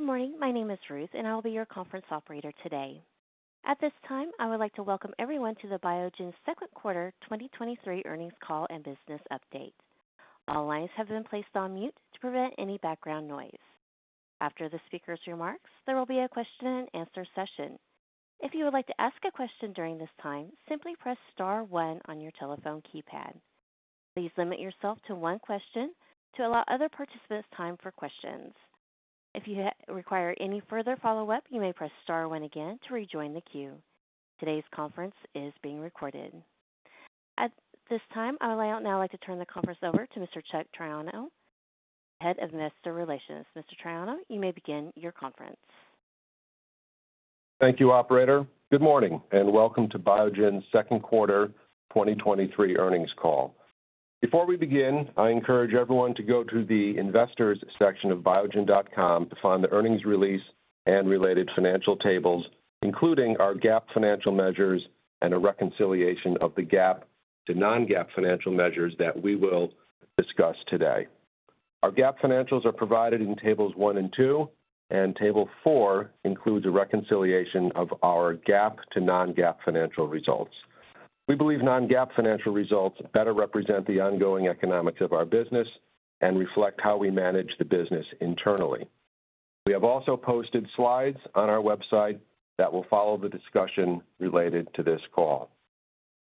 Good morning. My name is Ruth, I will be your conference operator today. At this time, I would like to welcome everyone to the Biogen Second Quarter 2023 Earnings Call and Business Update. All lines have been placed on mute to prevent any background noise. After the speaker's remarks, there will be a question and answer session. If you would like to ask a question during this time, simply press star one on your telephone keypad. Please limit yourself to one question to allow other participants time for questions. If you require any further follow-up, you may press star one again to rejoin the queue. Today's conference is being recorded. At this time, I would now like to turn the conference over to Mr. Chuck Triano, Head of Investor Relations. Mr. Triano, you may begin your conference. Thank you, operator. Welcome to Biogen's second quarter 2023 earnings call. Before we begin, I encourage everyone to go to the investors section of biogen.com to find the earnings release and related financial tables, including our GAAP financial measures and a reconciliation of the GAAP to non-GAAP financial measures that we will discuss today. Our GAAP financials are provided in tables one and two, and table four includes a reconciliation of our GAAP to non-GAAP financial results. We believe non-GAAP financial results better represent the ongoing economics of our business and reflect how we manage the business internally. We have also posted slides on our website that will follow the discussion related to this call.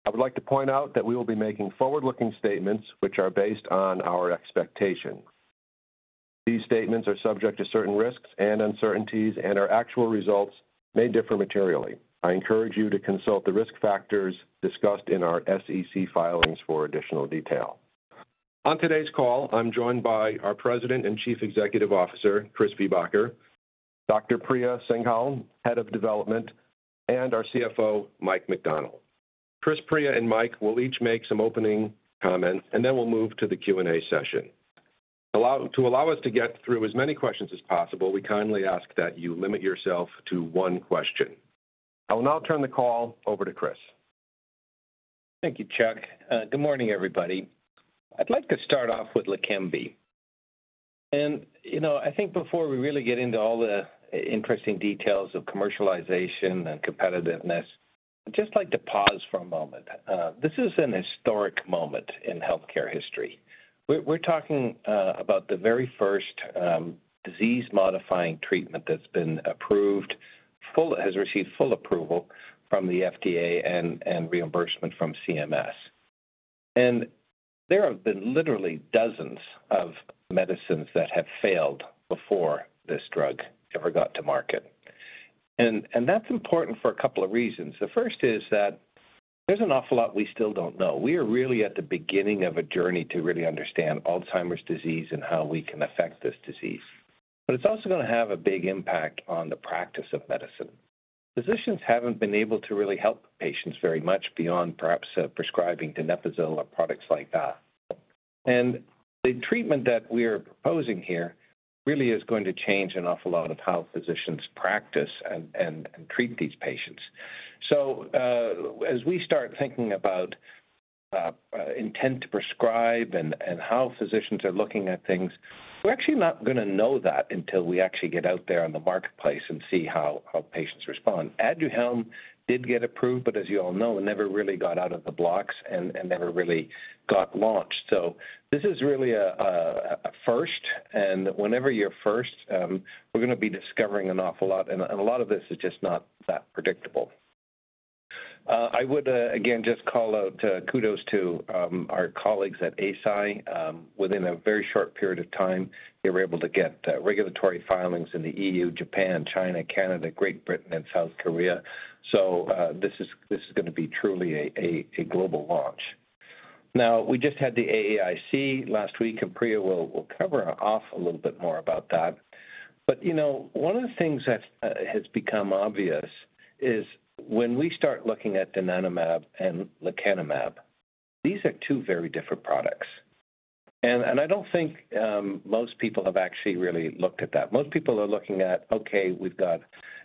I would like to point out that we will be making forward-looking statements, which are based on our expectations. These statements are subject to certain risks and uncertainties, and our actual results may differ materially. I encourage you to consult the risk factors discussed in our SEC filings for additional detail. On today's call, I'm joined by our President and Chief Executive Officer, Chris Viehbacher, Dr. Priya Singhal, Head of Development, and our CFO, Mike McDonnell. Chris, Priya, and Mike will each make some opening comments, and then we'll move to the Q&A session. To allow us to get through as many questions as possible, we kindly ask that you limit yourself to one question. I will now turn the call over to Chris. Thank you, Chuck. Good morning, everybody. I'd like to start off with LEQEMBI, you know, I think before we really get into all the interesting details of commercialization and competitiveness, I'd just like to pause for a moment. This is an historic moment in healthcare history. We're talking about the very first disease-modifying treatment that's been approved. It has received full approval from the FDA and reimbursement from CMS. There have been literally dozens of medicines that have failed before this drug ever got to market. That's important for a couple of reasons. The first is that there's an awful lot we still don't know. We are really at the beginning of a journey to really understand Alzheimer's disease and how we can affect this disease. It's also gonna have a big impact on the practice of medicine. Physicians haven't been able to really help patients very much beyond perhaps, prescribing donepezil or products like that. The treatment that we are proposing here really is going to change an awful lot of how physicians practice and treat these patients. As we start thinking about intent to prescribe and how physicians are looking at things, we're actually not gonna know that until we actually get out there in the marketplace and see how patients respond. ADUHELM did get approved, but as you all know, it never really got out of the blocks and never really got launched. This is really a first, and whenever you're first, we're gonna be discovering an awful lot, and a lot of this is just not that predictable. I would again just call out kudos to our colleagues at Eisai. Within a very short period of time, they were able to get regulatory filings in the EU, Japan, China, Canada, Great Britain, and South Korea. This is gonna be truly a global launch. We just had the AAIC last week, and Priya will cover off a little bit more about that. You know, one of the things that's has become obvious is when we start looking at donanemab and lecanemab, these are two very different products, and I don't think most people have actually really looked at that. Most people are looking at, okay, we've got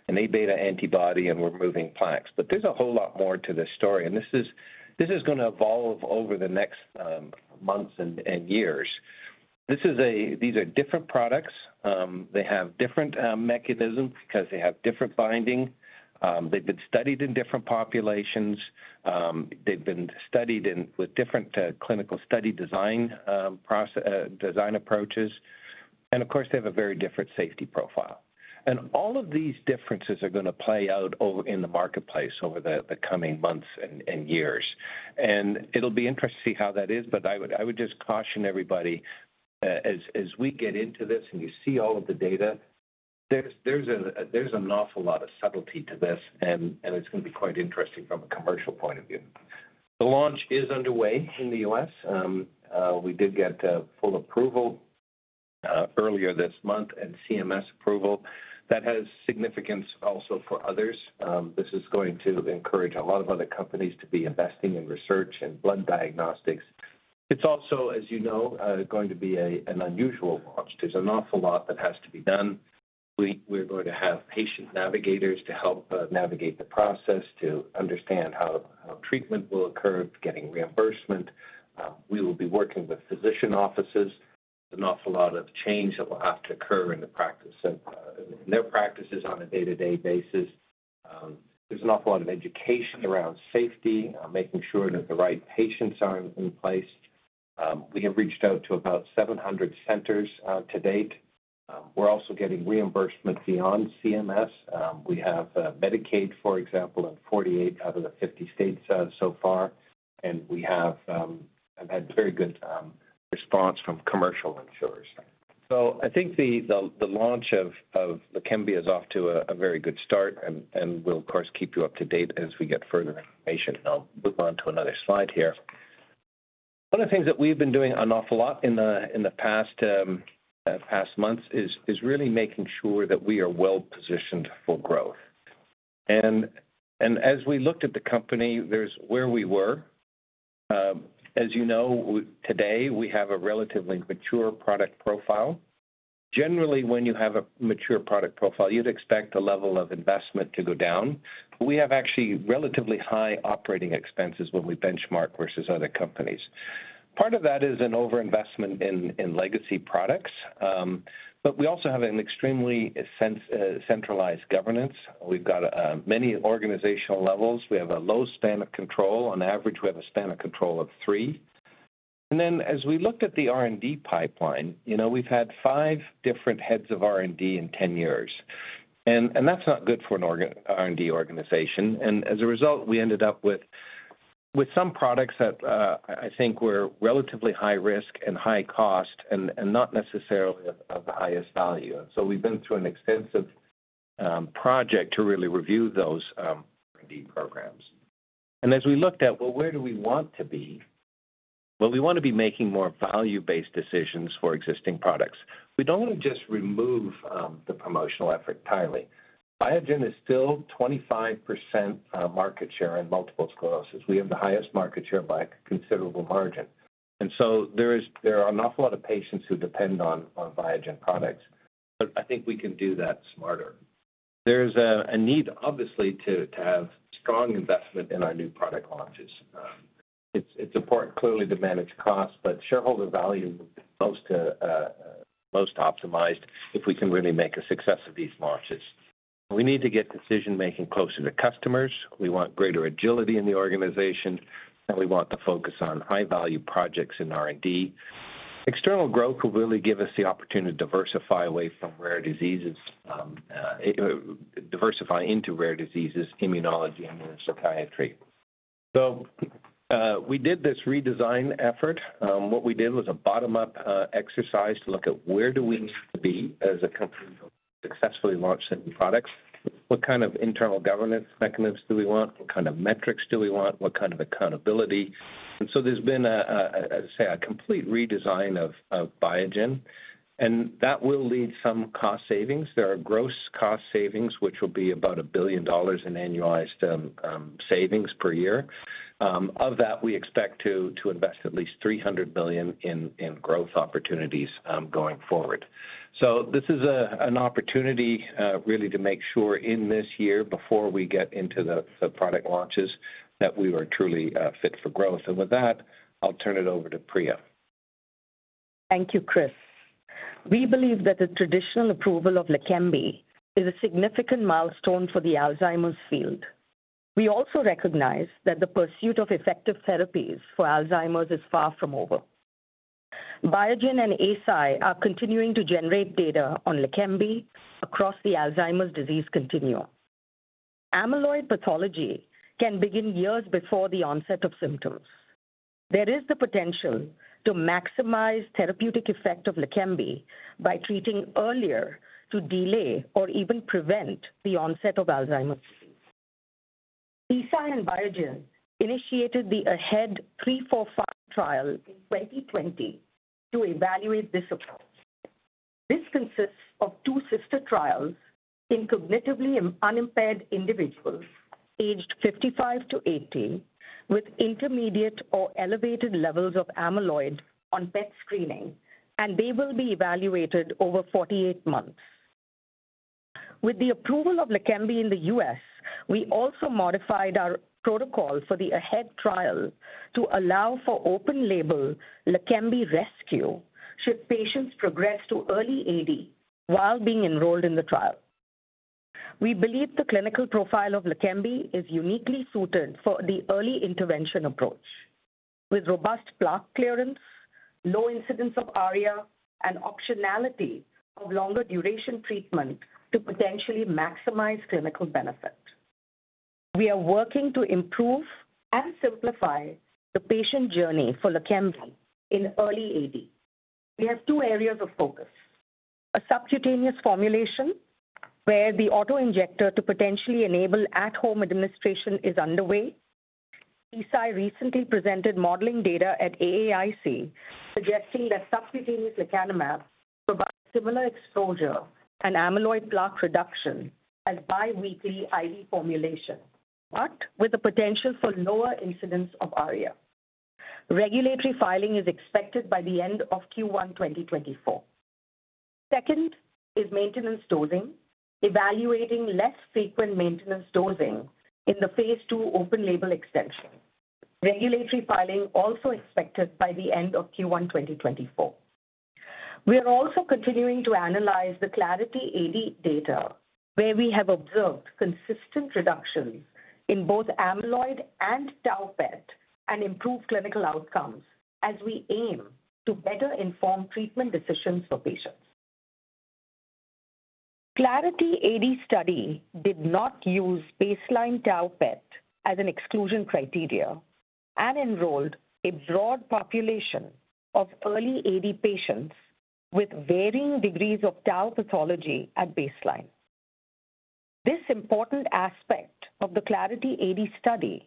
an Aβ antibody, and we're moving plaques. There's a whole lot more to this story, and this is gonna evolve over the next months and years. These are different products. They have different mechanisms because they have different binding. They've been studied in different populations. They've been studied with different clinical study design, process, design approaches. Of course, they have a very different safety profile. All of these differences are gonna play out over in the marketplace over the coming months and years. It'll be interesting to see how that is, I would just caution everybody as we get into this, and you see all of the data, there's an awful lot of subtlety to this, and it's gonna be quite interesting from a commercial point of view. The launch is underway in the U.S. We did get full approval earlier this month and CMS approval. That has significance also for others. This is going to encourage a lot of other companies to be investing in research and blood diagnostics. It's also, as you know, going to be an unusual launch. There's an awful lot that has to be done. We're going to have patient navigators to help navigate the process, to understand how treatment will occur, getting reimbursement. We will be working with physician offices. An awful lot of change that will have to occur in the practice and their practices on a day-to-day basis. There's an awful lot of education around safety, making sure that the right patients are in place. We have reached out to about 700 centers to date. We're also getting reimbursement beyond CMS. We have Medicaid, for example, in 48 out of the 50 states so far, and we have had very good response from commercial insurers. I think the launch of LEQEMBI is off to a very good start, and we'll, of course, keep you up to date as we get further information. I'll move on to another slide here. One of the things that we've been doing an awful lot in the, in the past months is really making sure that we are well-positioned for growth. As we looked at the company, there's where we were. As you know, today, we have a relatively mature product profile. Generally, when you have a mature product profile, you'd expect the level of investment to go down. We have actually relatively high operating expenses when we benchmark versus other companies. Part of that is an overinvestment in legacy products. We also have an extremely sense centralized governance. We've got many organizational levels. We have a low span of control. On average, we have a span of control of three. As we looked at the R&D pipeline, you know, we've had five different heads of R&D in 10 years, and that's not good for an R&D organization. As a result, we ended up with some products that I think were relatively high risk and high cost and not necessarily of the highest value. We've been through an extensive project to really review those R&D programs. As we looked at, well, where do we want to be? Well, we want to be making more value-based decisions for existing products. We don't want to just remove the promotional effort entirely. Biogen is still 25% market share in multiple sclerosis. We have the highest market share by a considerable margin. There are an awful lot of patients who depend on Biogen products, but I think we can do that smarter. There's a need, obviously, to have strong investment in our new product launches. It's important, clearly, to manage costs, but shareholder value is most optimized if we can really make a success of these launches. We need to get decision-making closer to customers. We want greater agility in the organization, and we want to focus on high-value projects in R&D. External growth will really give us the opportunity to diversify away from rare diseases, diversify into rare diseases, immunology and psychiatry. We did this redesign effort. What we did was a bottom-up exercise to look at where do we need to be as a company to successfully launch new products? What kind of internal governance mechanisms do we want? What kind of metrics do we want? What kind of accountability? There's been a say, a complete redesign of Biogen, and that will lead some cost savings. There are gross cost savings, which will be about $1 billion in annualized savings per year. Of that, we expect to invest at least $300 million in growth opportunities going forward. This is an opportunity really to make sure in this year, before we get into the product launches, that we are truly Fit for Growth. With that, I'll turn it over to Priya. Thank you, Chris. We believe that the traditional approval of LEQEMBI is a significant milestone for the Alzheimer's field. We also recognize that the pursuit of effective therapies for Alzheimer's is far from over. Biogen and Eisai are continuing to generate data on LEQEMBI across the Alzheimer's disease continuum. Amyloid pathology can begin years before the onset of symptoms. There is the potential to maximize therapeutic effect of LEQEMBI by treating earlier to delay or even prevent the onset of Alzheimer's disease. Eisai and Biogen initiated the AHEAD 3-45 trial in 2020 to evaluate this approach. This consists of two sister trials in cognitively unimpaired individuals aged 55 to 80, with intermediate or elevated levels of amyloid on PET screening, and they will be evaluated over 48 months. With the approval of LEQEMBI in the U.S., we also modified our protocol for the AHEAD trial to allow for open-label LEQEMBI rescue should patients progress to early AD while being enrolled in the trial. We believe the clinical profile of LEQEMBI is uniquely suited for the early intervention approach, with robust plaque clearance, low incidence of ARIA, and optionality of longer duration treatment to potentially maximize clinical benefit. We are working to improve and simplify the patient journey for LEQEMBI in early AD. We have two areas of focus: a subcutaneous formulation, where the auto-injector to potentially enable at-home administration is underway. Eisai recently presented modeling data at AAIC, suggesting that subcutaneous lecanemab provides similar exposure and amyloid plaque reduction as bi-weekly IV formulation, but with the potential for lower incidence of ARIA. Regulatory filing is expected by the end of Q1, 2024. Second is maintenance dosing, evaluating less frequent maintenance dosing in the phase II open-label extension. Regulatory filing also expected by the end of Q1, 2024. We are also continuing to analyze the Clarity AD data, where we have observed consistent reductions in both amyloid and tau PET and improved clinical outcomes as we aim to better inform treatment decisions for patients. Clarity AD study did not use baseline tau PET as an exclusion criteria and enrolled a broad population of early AD patients with varying degrees of tau pathology at baseline. This important aspect of the Clarity AD study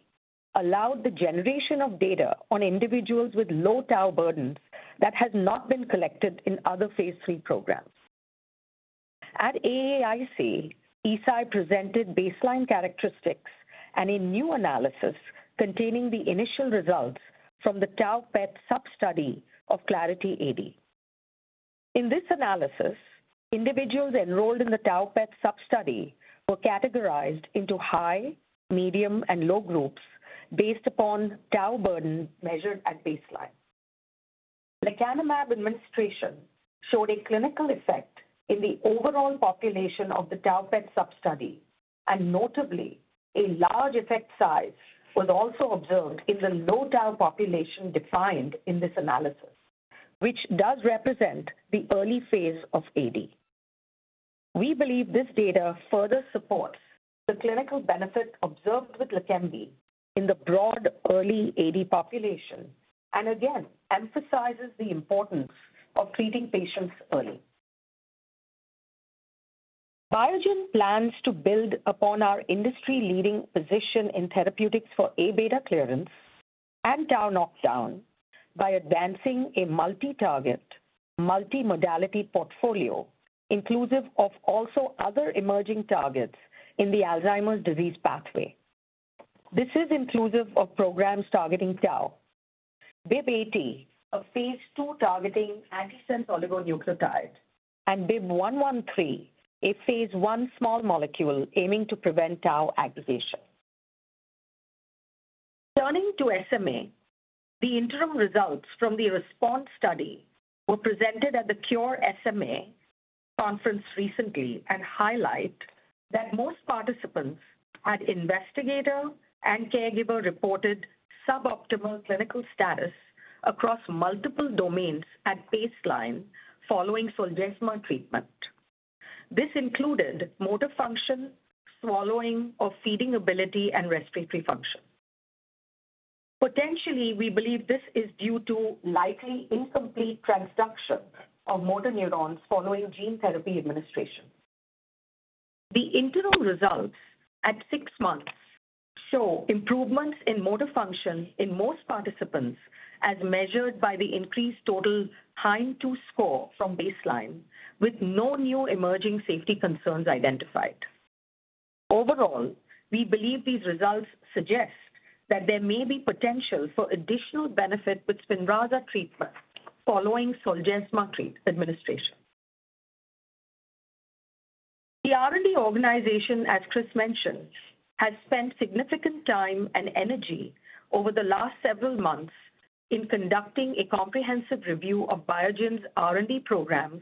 allowed the generation of data on individuals with low tau burdens that has not been collected in other phase III programs. At AAIC, Eisai presented baseline characteristics and a new analysis containing the initial results from the tau PET sub-study of Clarity AD. In this analysis, individuals enrolled in the tau PET sub-study were categorized into high, medium, and low groups based upon tau burden measured at baseline. Lecanemab administration showed a clinical effect in the overall population of the tau PET sub-study, notably, a large effect size was also observed in the low tau population defined in this analysis, which does represent the early phase of AD. We believe this data further supports the clinical benefit observed with LEQEMBI in the broad early AD population, again emphasizes the importance of treating patients early. Biogen plans to build upon our industry-leading position in therapeutics for Aβ clearance and tau knockdown by advancing a multi-target, multi-modality portfolio, inclusive of also other emerging targets in the Alzheimer's disease pathway. This is inclusive of programs targeting tau, BIIB080, a phase II targeting antisense oligonucleotide, and BIIB113, a phase I small molecule aiming to prevent tau aggregation. Turning to SMA, the interim results from the response study were presented at the Cure SMA conference recently and highlight that most participants had investigator and caregiver-reported suboptimal clinical status across multiple domains at baseline following Zolgensma treatment. This included motor function, swallowing or feeding ability, and respiratory function. Potentially, we believe this is due to likely incomplete transduction of motor neurons following gene therapy administration. The interim results at six months show improvements in motor function in most participants, as measured by the increased total time to score from baseline, with no new emerging safety concerns identified. Overall, we believe these results suggest that there may be potential for additional benefit with SPINRAZA treatment following Zolgensma treat administration. The R&D organization, as Chris mentioned, has spent significant time and energy over the last several months in conducting a comprehensive review of Biogen's R&D programs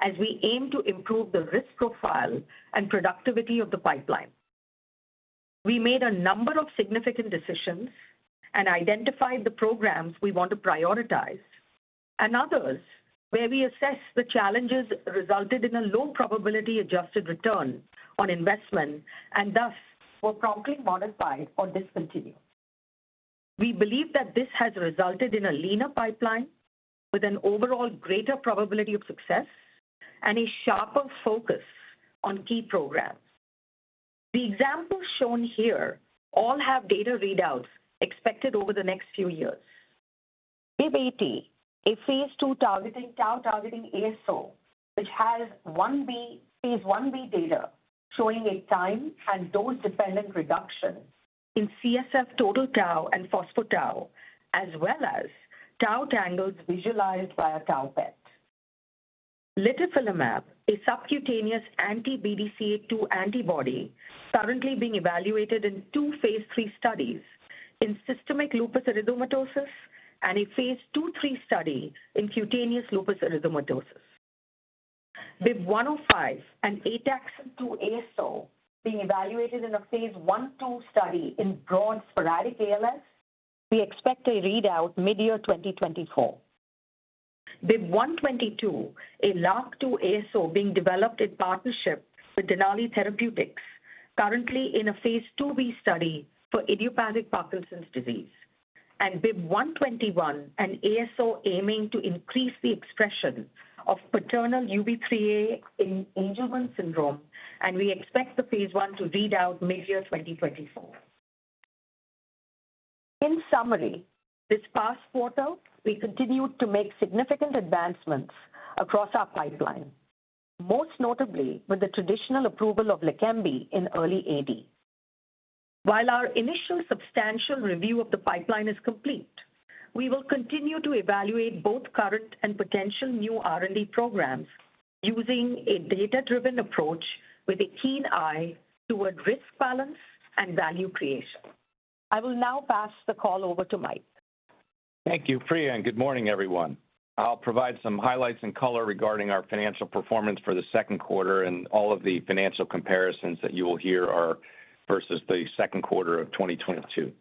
as we aim to improve the risk profile and productivity of the pipeline. We made a number of significant decisions and identified the programs we want to prioritize, and others where we assess the challenges resulted in a low probability adjusted return on investment and thus were promptly modified or discontinued. We believe that this has resulted in a leaner pipeline with an overall greater probability of success and a sharper focus on key programs. The examples shown here all have data readouts expected over the next few years. BIIB080, a phase II tau targeting ASO, which has phase Ib data, showing a time and dose-dependent reduction in CSF total tau and phospho-tau, as well as tau tangles visualized via tau PET. Litifilimab, a subcutaneous anti-BDCA2 antibody currently being evaluated in two phase III studies in systemic lupus erythematosus and a phase II/III study in cutaneous lupus erythematosus. BIIB105, an ATXN2 ASO, being evaluated in a phase I/II study in broad sporadic ALS. We expect a readout midyear 2024. BIIB122, a LRRK2 ASO being developed in partnership with Denali Therapeutics, currently in a phase IIb study for idiopathic Parkinson's disease. BIIB121, an ASO aiming to increase the expression of paternal UBE3A in Angelman syndrome, and we expect the phase I to read out midyear 2024. In summary, this past quarter, we continued to make significant advancements across our pipeline, most notably with the traditional approval of LEQEMBI in early AD. While our initial substantial review of the pipeline is complete, we will continue to evaluate both current and potential new R&D programs using a data-driven approach with a keen eye toward risk balance and value creation. I will now pass the call over to Mike. Thank you, Priya. Good morning, everyone. I'll provide some highlights and color regarding our financial performance for the second quarter. All of the financial comparisons that you will hear are versus the second quarter of 2022.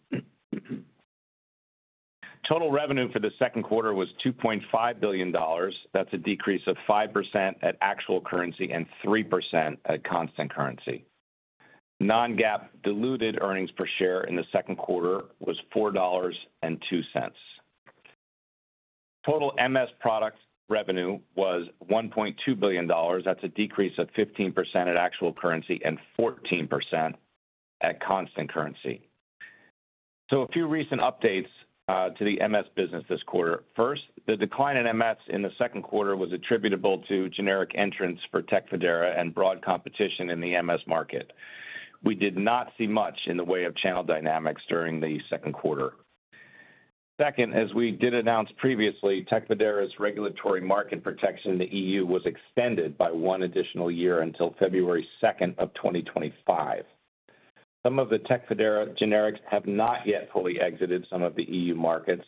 Total revenue for the second quarter was $2.5 billion. That's a decrease of 5% at actual currency and 3% at constant currency. Non-GAAP diluted earnings per share in the second quarter was $4.02. Total MS products revenue was $1.2 billion. That's a decrease of 15% at actual currency and 14% at constant currency. A few recent updates to the MS business this quarter. First, the decline in MS in the second quarter was attributable to generic entrants for TECFIDERA and broad competition in the MS market. We did not see much in the way of channel dynamics during the second quarter. Second, as we did announce previously, TECFIDERA's regulatory market protection in the EU was extended by one additional year until February 2nd, 2025. Some of the TECFIDERA generics have not yet fully exited some of the EU markets,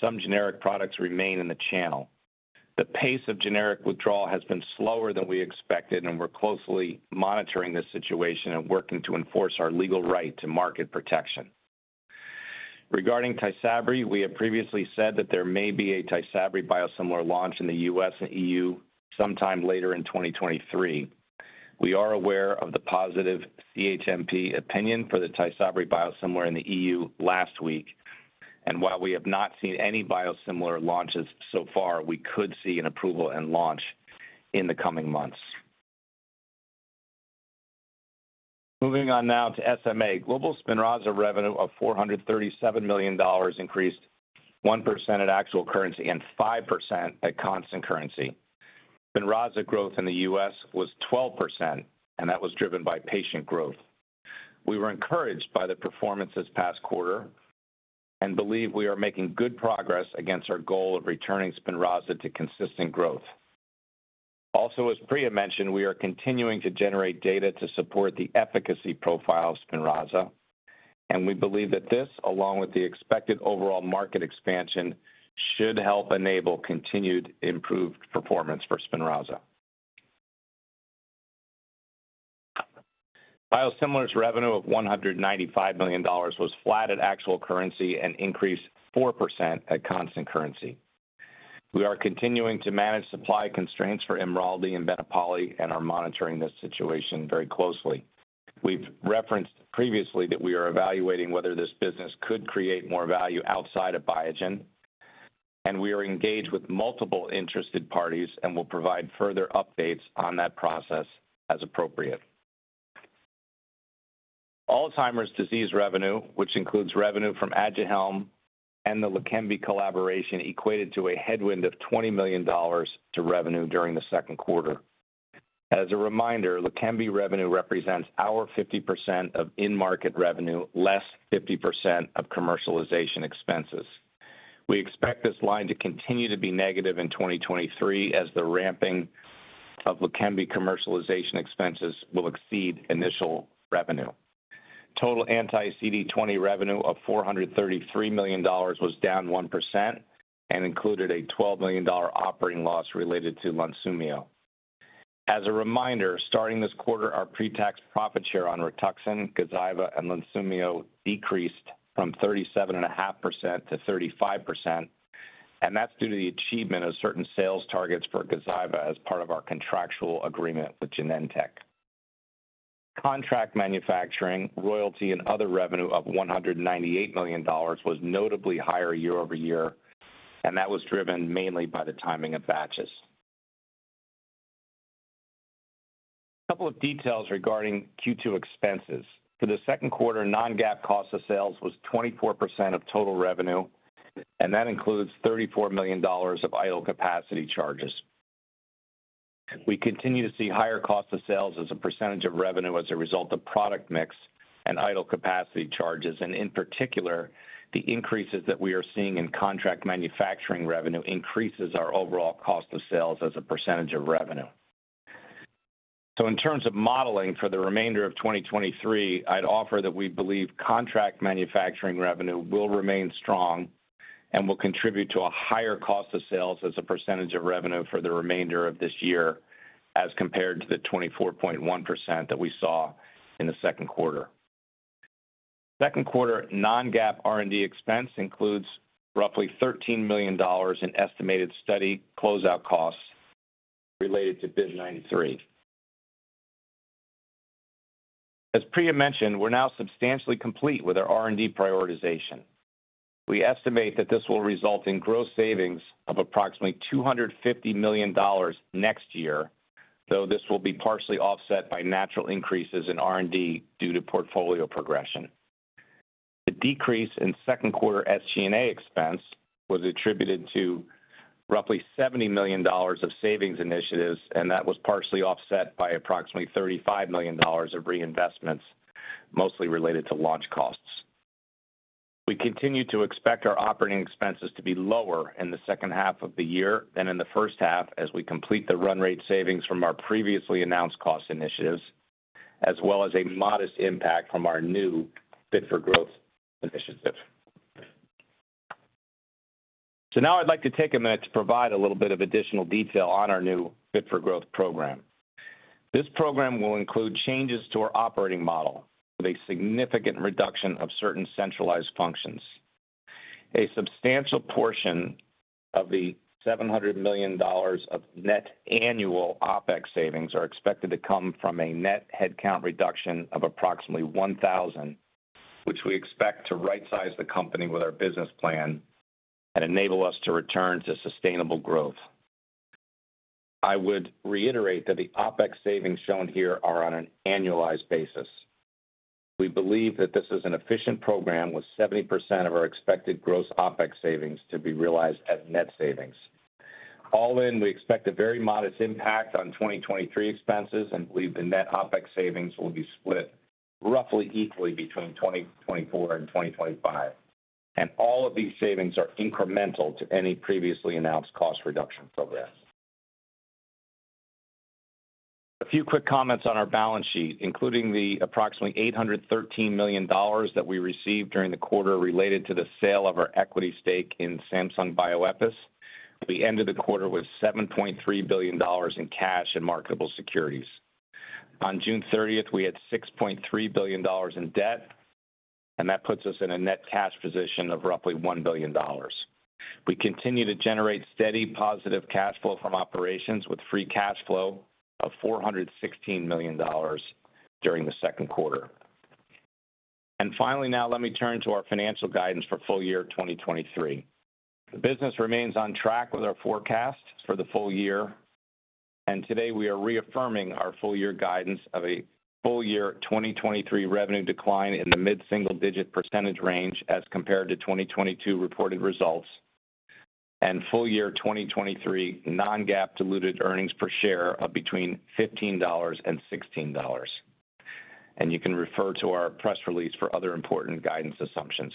some generic products remain in the channel. The pace of generic withdrawal has been slower than we expected, we're closely monitoring this situation and working to enforce our legal right to market protection. Regarding TYSABRI, we have previously said that there may be a TYSABRI biosimilar launch in the U.S. and EU sometime later in 2023. We are aware of the positive CHMP opinion for the TYSABRI biosimilar in the EU last week. While we have not seen any biosimilar launches so far, we could see an approval and launch in the coming months. Moving on now to SMA. Global SPINRAZA revenue of $437 million increased 1% at actual currency and 5% at constant currency. SPINRAZA growth in the U.S. was 12%. That was driven by patient growth. We were encouraged by the performance this past quarter. We believe we are making good progress against our goal of returning SPINRAZA to consistent growth. Also, as Priya mentioned, we are continuing to generate data to support the efficacy profile of SPINRAZA. We believe that this, along with the expected overall market expansion, should help enable continued improved performance for SPINRAZA. Biosimilars revenue of $195 million was flat at actual currency and increased 4% at constant currency. We are continuing to manage supply constraints for IMRALDI and BENEPALI and are monitoring this situation very closely. We've referenced previously that we are evaluating whether this business could create more value outside of Biogen. We are engaged with multiple interested parties and will provide further updates on that process as appropriate. Alzheimer's disease revenue, which includes revenue from ADUHELM and the LEQEMBI collaboration, equated to a headwind of $20 million to revenue during the second quarter. As a reminder, LEQEMBI revenue represents our 50% of in-market revenue, less 50% of commercialization expenses. We expect this line to continue to be negative in 2023, as the ramping of LEQEMBI commercialization expenses will exceed initial revenue. Total anti-CD20 revenue of $433 million was down 1% and included a $12 million operating loss related to LUNSUMIO. As a reminder, starting this quarter, our pre-tax profit share on RITUXAN, GAZYVA, and LUNSUMIO decreased from 37.5% to 35%, and that's due to the achievement of certain sales targets for GAZYVA as part of our contractual agreement with Genentech. Contract manufacturing, royalty, and other revenue of $198 million was notably higher year-over-year, and that was driven mainly by the timing of batches. A couple of details regarding Q2 expenses. For the second quarter, non-GAAP cost of sales was 24% of total revenue, and that includes $34 million of idle capacity charges. We continue to see higher cost of sales as a % of revenue as a result of product mix and idle capacity charges, in particular, the increases that we are seeing in contract manufacturing revenue increases our overall cost of sales as a percentage of revenue. In terms of modeling for the remainder of 2023, I'd offer that we believe contract manufacturing revenue will remain strong and will contribute to a higher cost of sales as a percentage of revenue for the remainder of this year, as compared to the 24.1% that we saw in the second quarter. Second quarter non-GAAP R&D expense includes roughly $13 million in estimated study closeout costs related to BIIB093. As Priya mentioned, we're now substantially complete with our R&D prioritization. We estimate that this will result in gross savings of approximately $250 million next year, though this will be partially offset by natural increases in R&D due to portfolio progression. The decrease in second quarter SG&A expense was attributed to roughly $70 million of savings initiatives, and that was partially offset by approximately $35 million of reinvestments, mostly related to launch costs. We continue to expect our operating expenses to be lower in the second half of the year than in the first half, as we complete the run rate savings from our previously announced cost initiatives, as well as a modest impact from our new Fit for Growth initiative. Now I'd like to take a minute to provide a little bit of additional detail on our new Fit for Growth program. This program will include changes to our operating model, with a significant reduction of certain centralized functions. A substantial portion of the $700 million of net annual OpEx savings are expected to come from a net headcount reduction of approximately 1,000, which we expect to rightsize the company with our business plan and enable us to return to sustainable growth. I would reiterate that the OpEx savings shown here are on an annualized basis. We believe that this is an efficient program, with 70% of our expected gross OpEx savings to be realized as net savings. All in, we expect a very modest impact on 2023 expenses and believe the net OpEx savings will be split roughly equally between 2024 and 2025. All of these savings are incremental to any previously announced cost reduction program. A few quick comments on our balance sheet, including the approximately $813 million that we received during the quarter related to the sale of our equity stake in Samsung Bioepis. We ended the quarter with $7.3 billion in cash and marketable securities. On June 30th, we had $6.3 billion in debt, and that puts us in a net cash position of roughly $1 billion. We continue to generate steady, positive cash flow from operations, with free cash flow of $416 million during the second quarter. Finally, now let me turn to our financial guidance for full year 2023. The business remains on track with our forecast for the full year, and today we are reaffirming our full year guidance of a full year 2023 revenue decline in the mid-single-digit % range as compared to 2022 reported results, and full year 2023 non-GAAP diluted earnings per share of between $15 and $16. You can refer to our press release for other important guidance assumptions.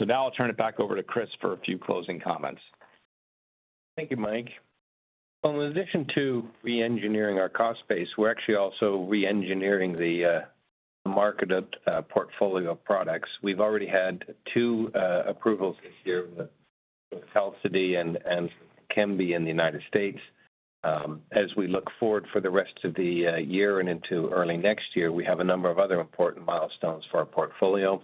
Now I'll turn it back over to Chris for a few closing comments. Thank you, Mike. Well, in addition to reengineering our cost base, we're actually also reengineering the marketed portfolio of products. We've already had two approvals this year with SKYCLARYS and LEQEMBI in the United States. As we look forward for the rest of the year and into early next year, we have a number of other important milestones for our portfolio.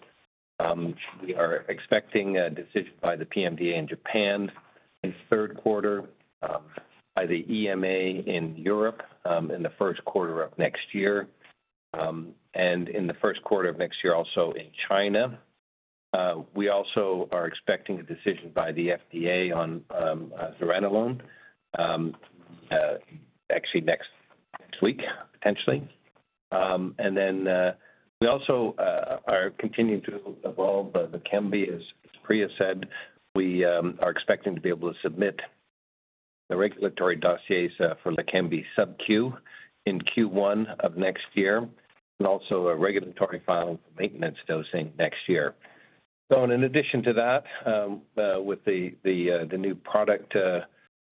We are expecting a decision by the PMDA in Japan in 3rd quarter, by the EMA in Europe, in the 1st quarter of next year. In the 1st quarter of next year, also in China. We also are expecting a decision by the FDA on aducanumab, actually next week, potentially. Then we also are continuing to evolve the LEQEMBI. As Priya said, we are expecting to be able to submit the regulatory dossiers for LEQEMBI subQ in Q1 of next year, and also a regulatory filing for maintenance dosing next year. In addition to that, with the new product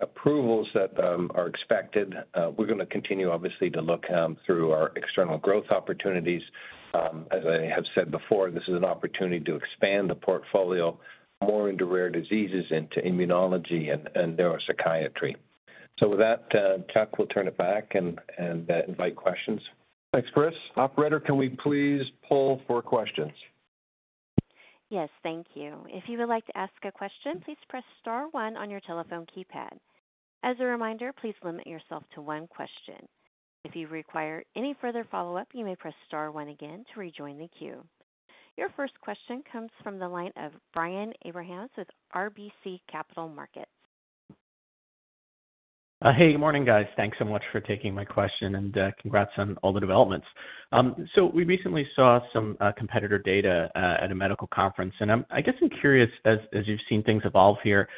approvals that are expected, we're going to continue, obviously, to look through our external growth opportunities. As I have said before, this is an opportunity to expand the portfolio more into rare diseases, into immunology and neuropsychiatry. With that, Chuck, we'll turn it back and invite questions. Thanks, Chris. Operator, can we please poll for questions? Yes. Thank you. If you would like to ask a question, please press star one on your telephone keypad. As a reminder, please limit yourself to one question. If you require any further follow-up, you may press star one again to rejoin the queue. Your first question comes from the line of Brian Abrahams with RBC Capital Markets. Hey, good morning, guys. Thanks so much for taking my question, congrats on all the developments. We recently saw some competitor data at a medical conference, I guess I'm curious, as you've seen things evolve here,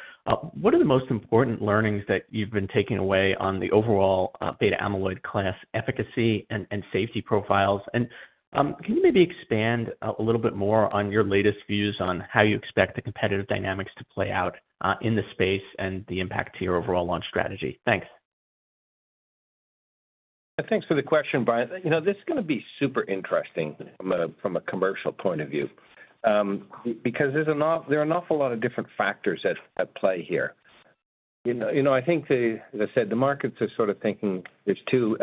what are the most important learnings that you've been taking away on the overall beta amyloid class efficacy and safety profiles? Can you maybe expand a little bit more on your latest views on how you expect the competitive dynamics to play out in the space and the impact to your overall launch strategy? Thanks. Thanks for the question, Brian. You know, this is going to be super interesting from a, from a commercial point of view, because there are an awful lot of different factors at play here. You know, I think, as I said, the markets are sort of thinking there's two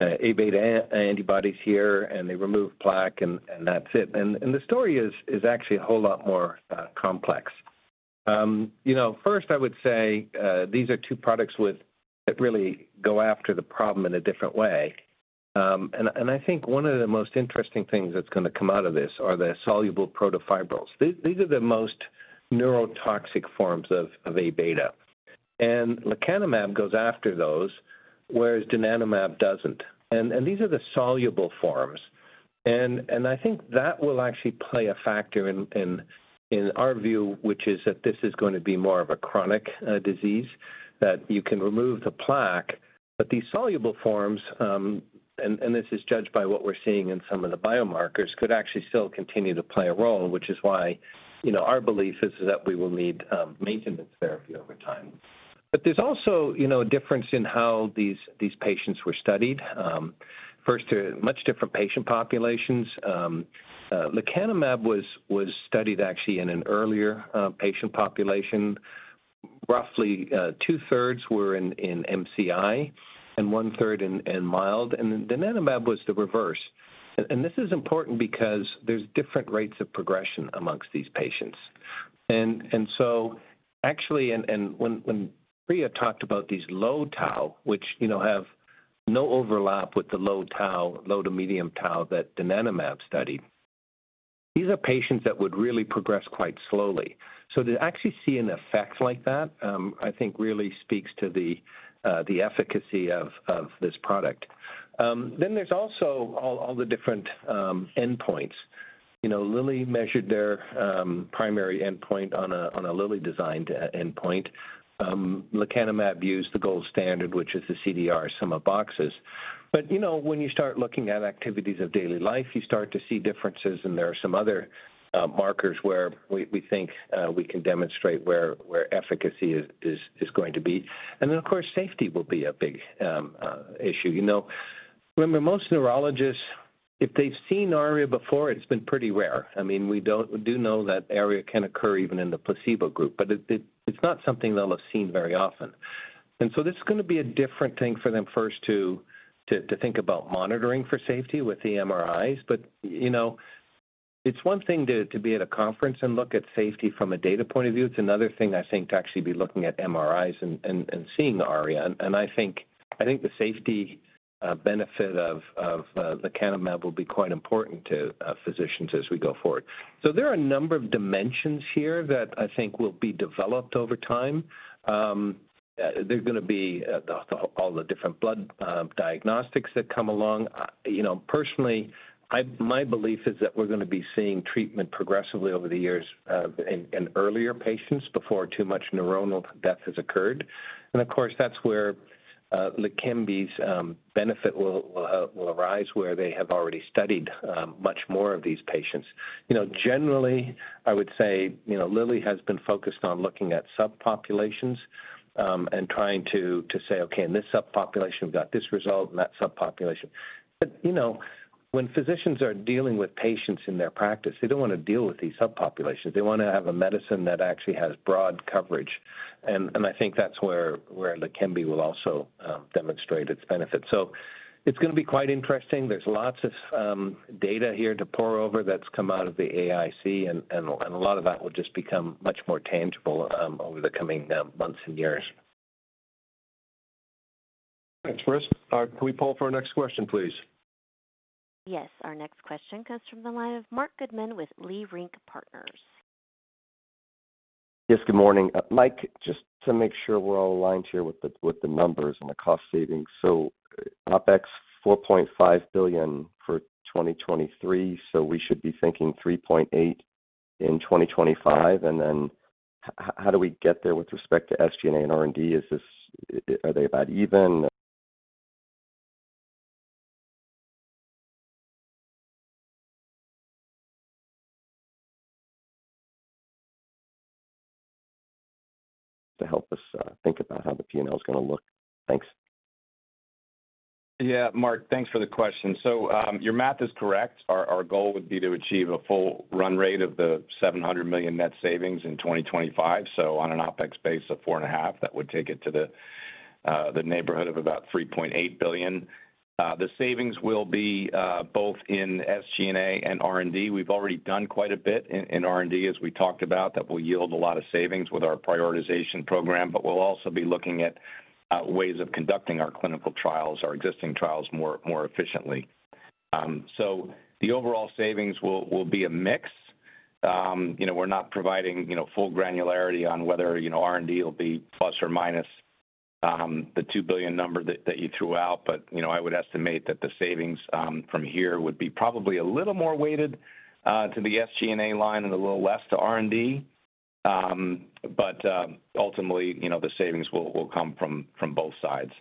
Aβ antibodies here, and they remove plaque, and that's it. The story is actually a whole lot more complex. You know, first, I would say, these are two products with that really go after the problem in a different way. I think one of the most interesting things that's going to come out of this are the soluble protofibrils. These are the most neurotoxic forms of Aβ. Lecanemab goes after those, whereas donanemab doesn't. These are the soluble forms. I think that will actually play a factor in our view, which is that this is going to be more of a chronic disease, that you can remove the plaque. These soluble forms, and this is judged by what we're seeing in some of the biomarkers, could actually still continue to play a role, which is why, you know, our belief is that we will need maintenance therapy over time. There's also, you know, a difference in how these patients were studied. First, a much different patient populations. Lecanemab was studied actually in an earlier patient population. Roughly, 2/3 were in MCI and 1/3 in mild, and then donanemab was the reverse. This is important because there's different rates of progression amongst these patients. Actually, when Priya talked about these low tau, which, you know, have no overlap with the low tau, low to medium tau, that donanemab studied, these are patients that would really progress quite slowly. To actually see an effect like that, I think really speaks to the efficacy of this product. There's also all the different endpoints. You know, Lilly measured their primary endpoint on a Lilly-designed endpoint. Lecanemab used the gold standard, which is the CDR sum of boxes. You know, when you start looking at activities of daily life, you start to see differences, and there are some other markers where we think we can demonstrate where efficacy is going to be. Of course, safety will be a big issue. You know, remember, most neurologists, if they've seen ARIA before, it's been pretty rare. I mean, we do know that ARIA can occur even in the placebo group, but it's not something they'll have seen very often. This is gonna be a different thing for them, first to think about monitoring for safety with the MRIs. You know, it's one thing to be at a conference and look at safety from a data point of view. It's another thing, I think, to actually be looking at MRIs and seeing ARIA. I think the safety benefit of lecanemab will be quite important to physicians as we go forward. There are a number of dimensions here that I think will be developed over time. There's gonna be all the different blood diagnostics that come along. You know, personally, my belief is that we're gonna be seeing treatment progressively over the years in earlier patients before too much neuronal death has occurred. Of course, that's where LEQEMBI's benefit will arise, where they have already studied much more of these patients. You know, generally, I would say, you know, Lilly has been focused on looking at subpopulations, trying to say, "Okay, in this subpopulation, we've got this result, in that subpopulation." You know, when physicians are dealing with patients in their practice, they don't want to deal with these subpopulations. They want to have a medicine that actually has broad coverage. I think that's where LEQEMBI will also demonstrate its benefits. It's gonna be quite interesting. There's lots of data here to pore over that's come out of the AAIC, a lot of that will just become much more tangible over the coming months and years. Thanks, Chris. Can we poll for our next question, please? Our next question comes from the line of Marc Goodman with Leerink Partners. Yes, good morning. Mike, just to make sure we're all aligned here with the numbers and the cost savings. OpEx $4.5 billion for 2023, so we should be thinking $3.8 billion in 2025. How do we get there with respect to SG&A and R&D? Are they about even? To help us think about how the P&L is gonna look. Thanks. Yeah, Marc, thanks for the question. Your math is correct. Our goal would be to achieve a full run rate of the $700 million net savings in 2025. On an OpEx base of four and a half, that would take it to the neighborhood of about $3.8 billion. The savings will be both in SG&A and R&D. We've already done quite a bit in R&D, as we talked about, that will yield a lot of savings with our prioritization program, but we'll also be looking at ways of conducting our clinical trials, our existing trials, more efficiently. The overall savings will be a mix. You know, we're not providing, you know, full granularity on whether, you know, R&D will be plus or minus the $2 billion number that you threw out. You know, I would estimate that the savings from here would be probably a little more weighted to the SG&A line and a little less to R&D. Ultimately, you know, the savings will come from both sides.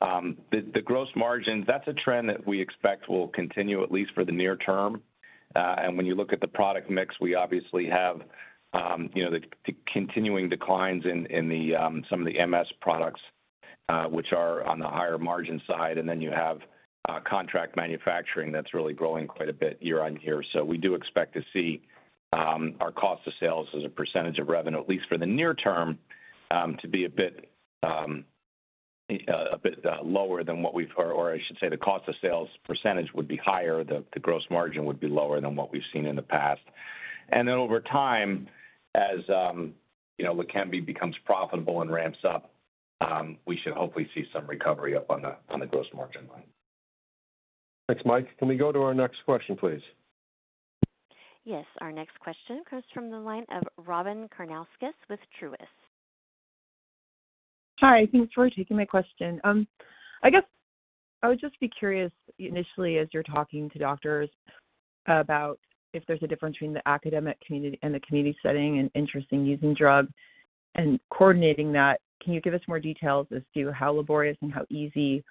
The gross margins, that's a trend that we expect will continue, at least for the near term. When you look at the product mix, we obviously have, you know, continuing declines in the some of the MS products, which are on the higher margin side, and then you have contract manufacturing that's really growing quite a bit year-on-year. We do expect to see, our cost of sales as a percentage of revenue, at least for the near term, to be a bit lower than what we've. Or I should say, the cost of sales percentage would be higher. The gross margin would be lower than what we've seen in the past. Then over time, as, you know, LEQEMBI becomes profitable and ramps up, we should hopefully see some recovery up on the gross margin line. Thanks, Mike. Can we go to our next question, please? Our next question comes from the line of Robyn Karnauskas with Truist. Hi, thanks for taking my question. I guess I would just be curious, initially, as you're talking to doctors, about if there's a difference between the academic community and the community setting and interest in using drug and coordinating that. Can you give us more details as to how laborious and how easy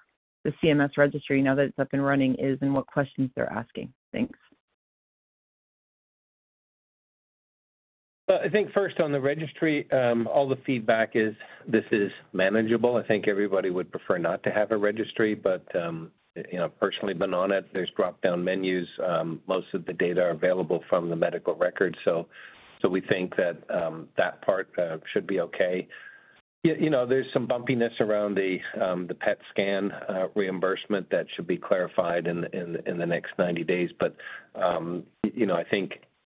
the CMS registry, now that it's up and running, is, and what questions they're asking? Thanks. I think first on the registry, all the feedback is this is manageable. I think everybody would prefer not to have a registry, but, you know, personally been on it. There's drop-down menus. Most of the data are available from the medical record, so, we think that part should be okay. You know, there's some bumpiness around the PET scan reimbursement that should be clarified in the next 90 days. You know, I think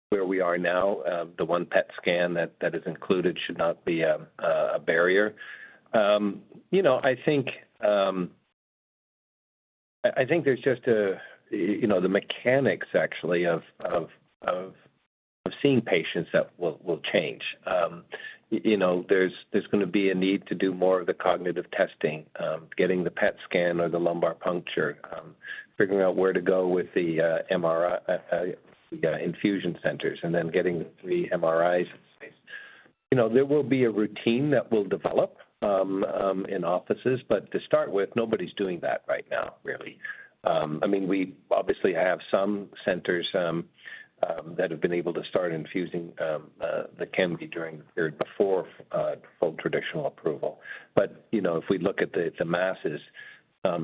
where we are now, the one PET scan that is included should not be a barrier. You know, I think, I think there's just a, you know, the mechanics actually of seeing patients that will change. You know, there's gonna be a need to do more of the cognitive testing, getting the PET scan or the lumbar puncture, figuring out where to go with the MRI infusion centers, and then getting the three MRIs. You know, there will be a routine that will develop in offices, but to start with, nobody's doing that right now, really. I mean, we obviously have some centers that have been able to start infusing the LEQEMBI during the period before full traditional approval. You know, if we look at the masses,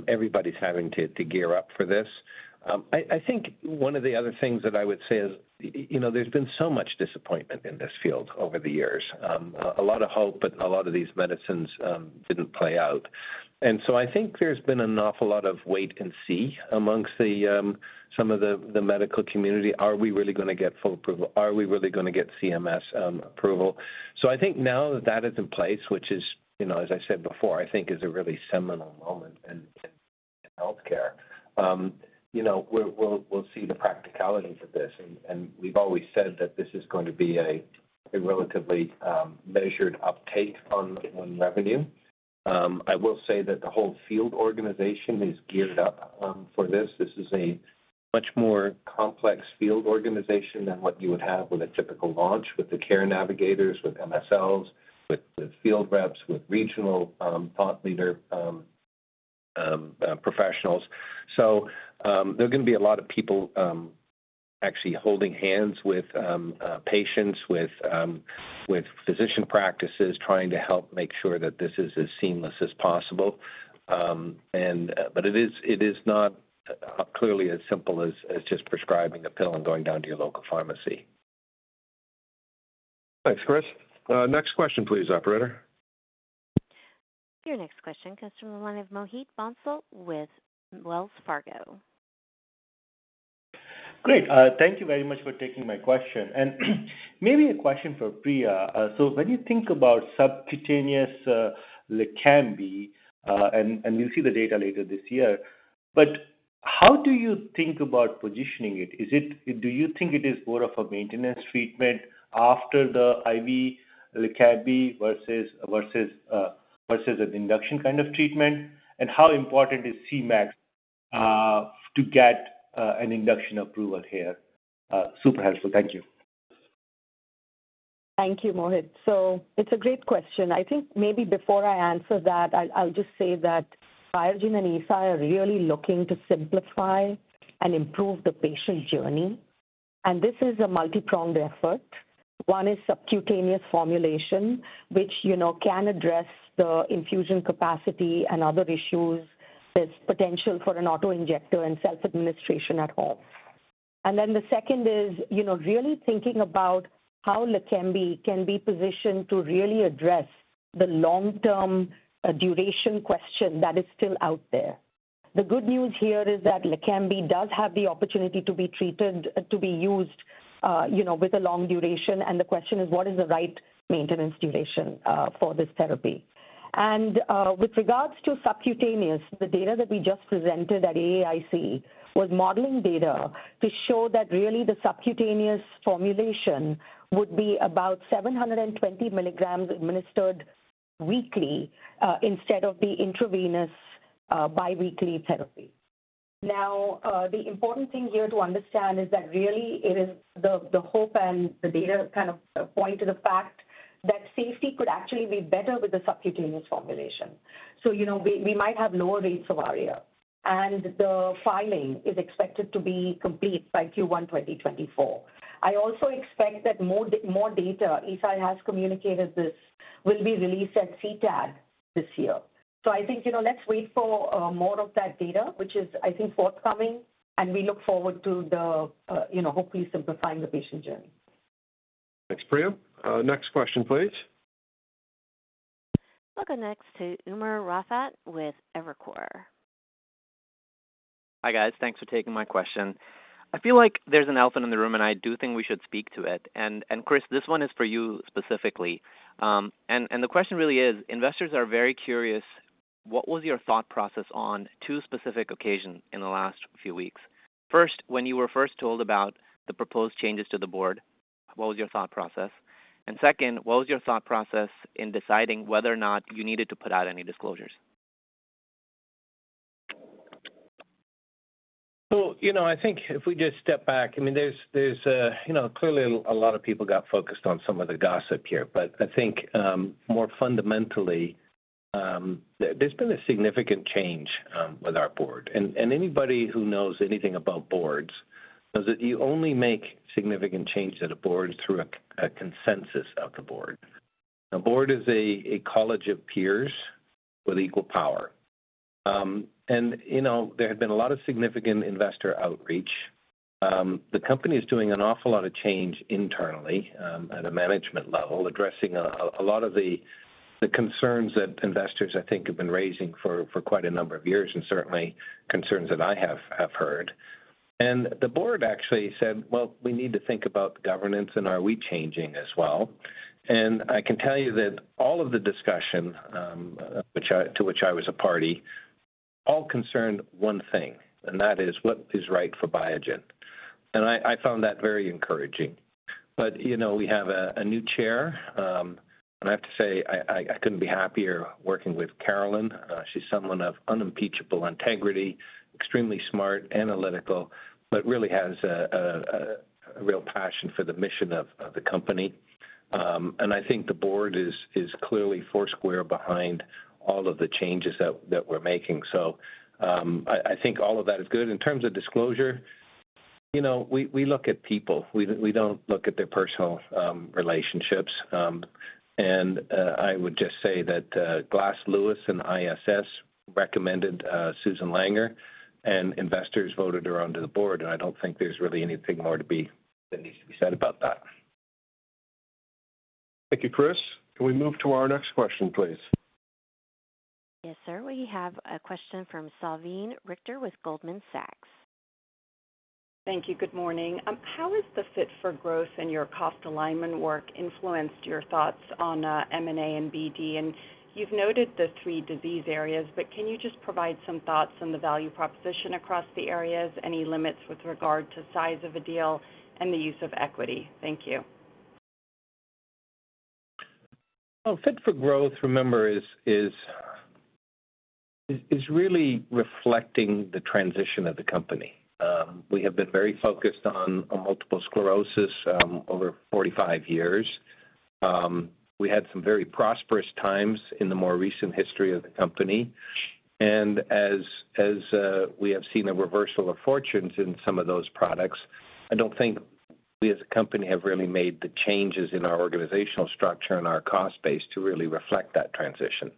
everybody's having to gear up for this. I think one of the other things that I would say is, you know, there's been so much disappointment in this field over the years. A lot of hope, but a lot of these medicines didn't play out. I think there's been an awful lot of wait and see amongst the, some of the medical community. Are we really gonna get full approval? Are we really gonna get CMS approval? I think now that that is in place, which is, you know, as I said before, I think is a really seminal moment in healthcare, you know, we'll see the practicalities of this. We've always said that this is going to be a relatively measured uptake on revenue. I will say that the whole field organization is geared up for this. This is a much more complex field organization than what you would have with a typical launch, with the care navigators, with MSLs, with field reps, with regional thought leader professionals. There are gonna be a lot of people actually holding hands with patients, with physician practices, trying to help make sure that this is as seamless as possible. It is not clearly as simple as just prescribing a pill and going down to your local pharmacy. Thanks, Chris. Next question, please, operator. Your next question comes from the line of Mohit Bansal with Wells Fargo. Great. Thank you very much for taking my question, and maybe a question for Priya. When you think about subcutaneous LEQEMBI, and we'll see the data later this year, but how do you think about positioning it? Do you think it is more of a maintenance treatment after the IV LEQEMBI versus an induction kind of treatment? How important is CMAC to get an induction approval here? Super helpful. Thank you. Thank you, Mohit. It's a great question. I think maybe before I answer that, I'll just say that Biogen and Eisai are really looking to simplify and improve the patient journey, and this is a multipronged effort. One is subcutaneous formulation, which, you know, can address the infusion capacity and other issues. There's potential for an auto-injector and self-administration at home. The second is, you know, really thinking about how LEQEMBI can be positioned to really address the long-term duration question that is still out there. The good news here is that LEQEMBI does have the opportunity to be used, you know, with a long duration, and the question is: What is the right maintenance duration for this therapy? With regards to subcutaneous, the data that we just presented at AAIC was modeling data to show that really the subcutaneous formulation would be about 720 mg administered weekly, instead of the intravenous biweekly therapy. The important thing here to understand is that really it is the hope and the data kind of point to the fact that safety could actually be better with the subcutaneous formulation. You know, we might have lower rates of ARIA, and the filing is expected to be complete by Q1 2024. I also expect that more data, Eisai has communicated this, will be released at CTAD this year. I think, you know, let's wait for more of that data, which is, I think, forthcoming, and we look forward to the, you know, hopefully simplifying the patient journey. Thanks, Priya. Next question, please. We'll go next to Umer Raffat with Evercore. Hi, guys. Thanks for taking my question. I feel like there's an elephant in the room, and I do think we should speak to it. Chris, this one is for you specifically. The question really is: Investors are very curious. What was your thought process on two specific occasions in the last few weeks? First, when you were first told about the proposed changes to the board, what was your thought process? Second, what was your thought process in deciding whether or not you needed to put out any disclosures? Well, you know, I think if we just step back, I mean, there's, you know, clearly a lot of people got focused on some of the gossip here, but I think, more fundamentally, there's been a significant change with our board. Anybody who knows anything about boards knows that you only make significant changes to the board through a consensus of the board. A board is a college of peers with equal power. You know, there had been a lot of significant investor outreach. The company is doing an awful lot of change internally at a management level, addressing a lot of the concerns that investors, I think, have been raising for quite a number of years, and certainly concerns that I have heard. The board actually said: "Well, we need to think about governance, and are we changing as well?" I can tell you that all of the discussion, to which I was a party, all concerned one thing, and that is what is right for Biogen. I found that very encouraging. You know, we have a new chair, and I have to say I couldn't be happier working with Caroline. She's someone of unimpeachable integrity, extremely smart, analytical, but really has a real passion for the mission of the company. And I think the board is clearly foursquare behind all of the changes that we're making. I think all of that is good. In terms of disclosure, you know, we look at people. We don't look at their personal relationships. I would just say that Glass Lewis and ISS recommended Susan Langer, and investors voted her onto the board, and I don't think there's really anything more to be, that needs to be said about that. Thank you, Chris. Can we move to our next question, please? Yes, sir. We have a question from Salveen Richter with Goldman Sachs. Thank you. Good morning. How has the Fit for Growth and your cost alignment work influenced your thoughts on M&A and BD? You've noted the three disease areas, but can you just provide some thoughts on the value proposition across the areas, any limits with regard to size of a deal and the use of equity? Thank you. Well, Fit for Growth, remember, is really reflecting the transition of the company. We have been very focused on multiple sclerosis, over 45 years. We had some very prosperous times in the more recent history of the company. As we have seen a reversal of fortunes in some of those products, I don't think we as a company have really made the changes in our organizational structure and our cost base to really reflect that transition.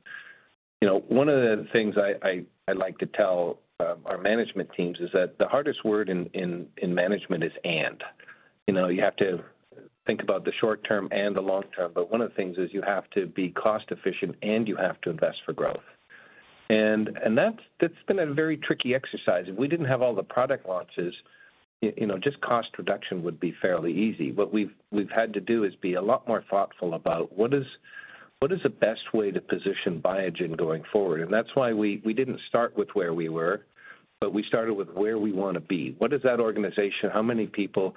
You know, one of the things I like to tell, our management teams is that the hardest word in management is and. You know, you have to think about the short term and the long term. One of the things is you have to be cost efficient, and you have to invest for growth. That's been a very tricky exercise. If we didn't have all the product launches, you know, just cost reduction would be fairly easy. What we've had to do is be a lot more thoughtful about what is the best way to position Biogen going forward? That's why we didn't start with where we were, but we started with where we want to be. What is that organization? How many people?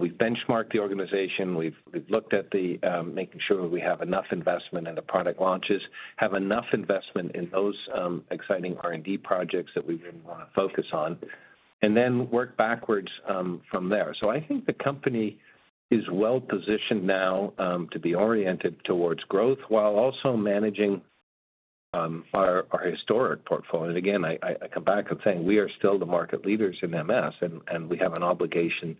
We've benchmarked the organization. We've looked at the making sure we have enough investment in the product launches, have enough investment in those exciting R&D projects that we really want to focus on, and then work backwards from there. I think the company is well positioned now to be oriented towards growth while also managing our historic portfolio. Again, I come back to saying we are still the market leaders in MS, and we have an obligation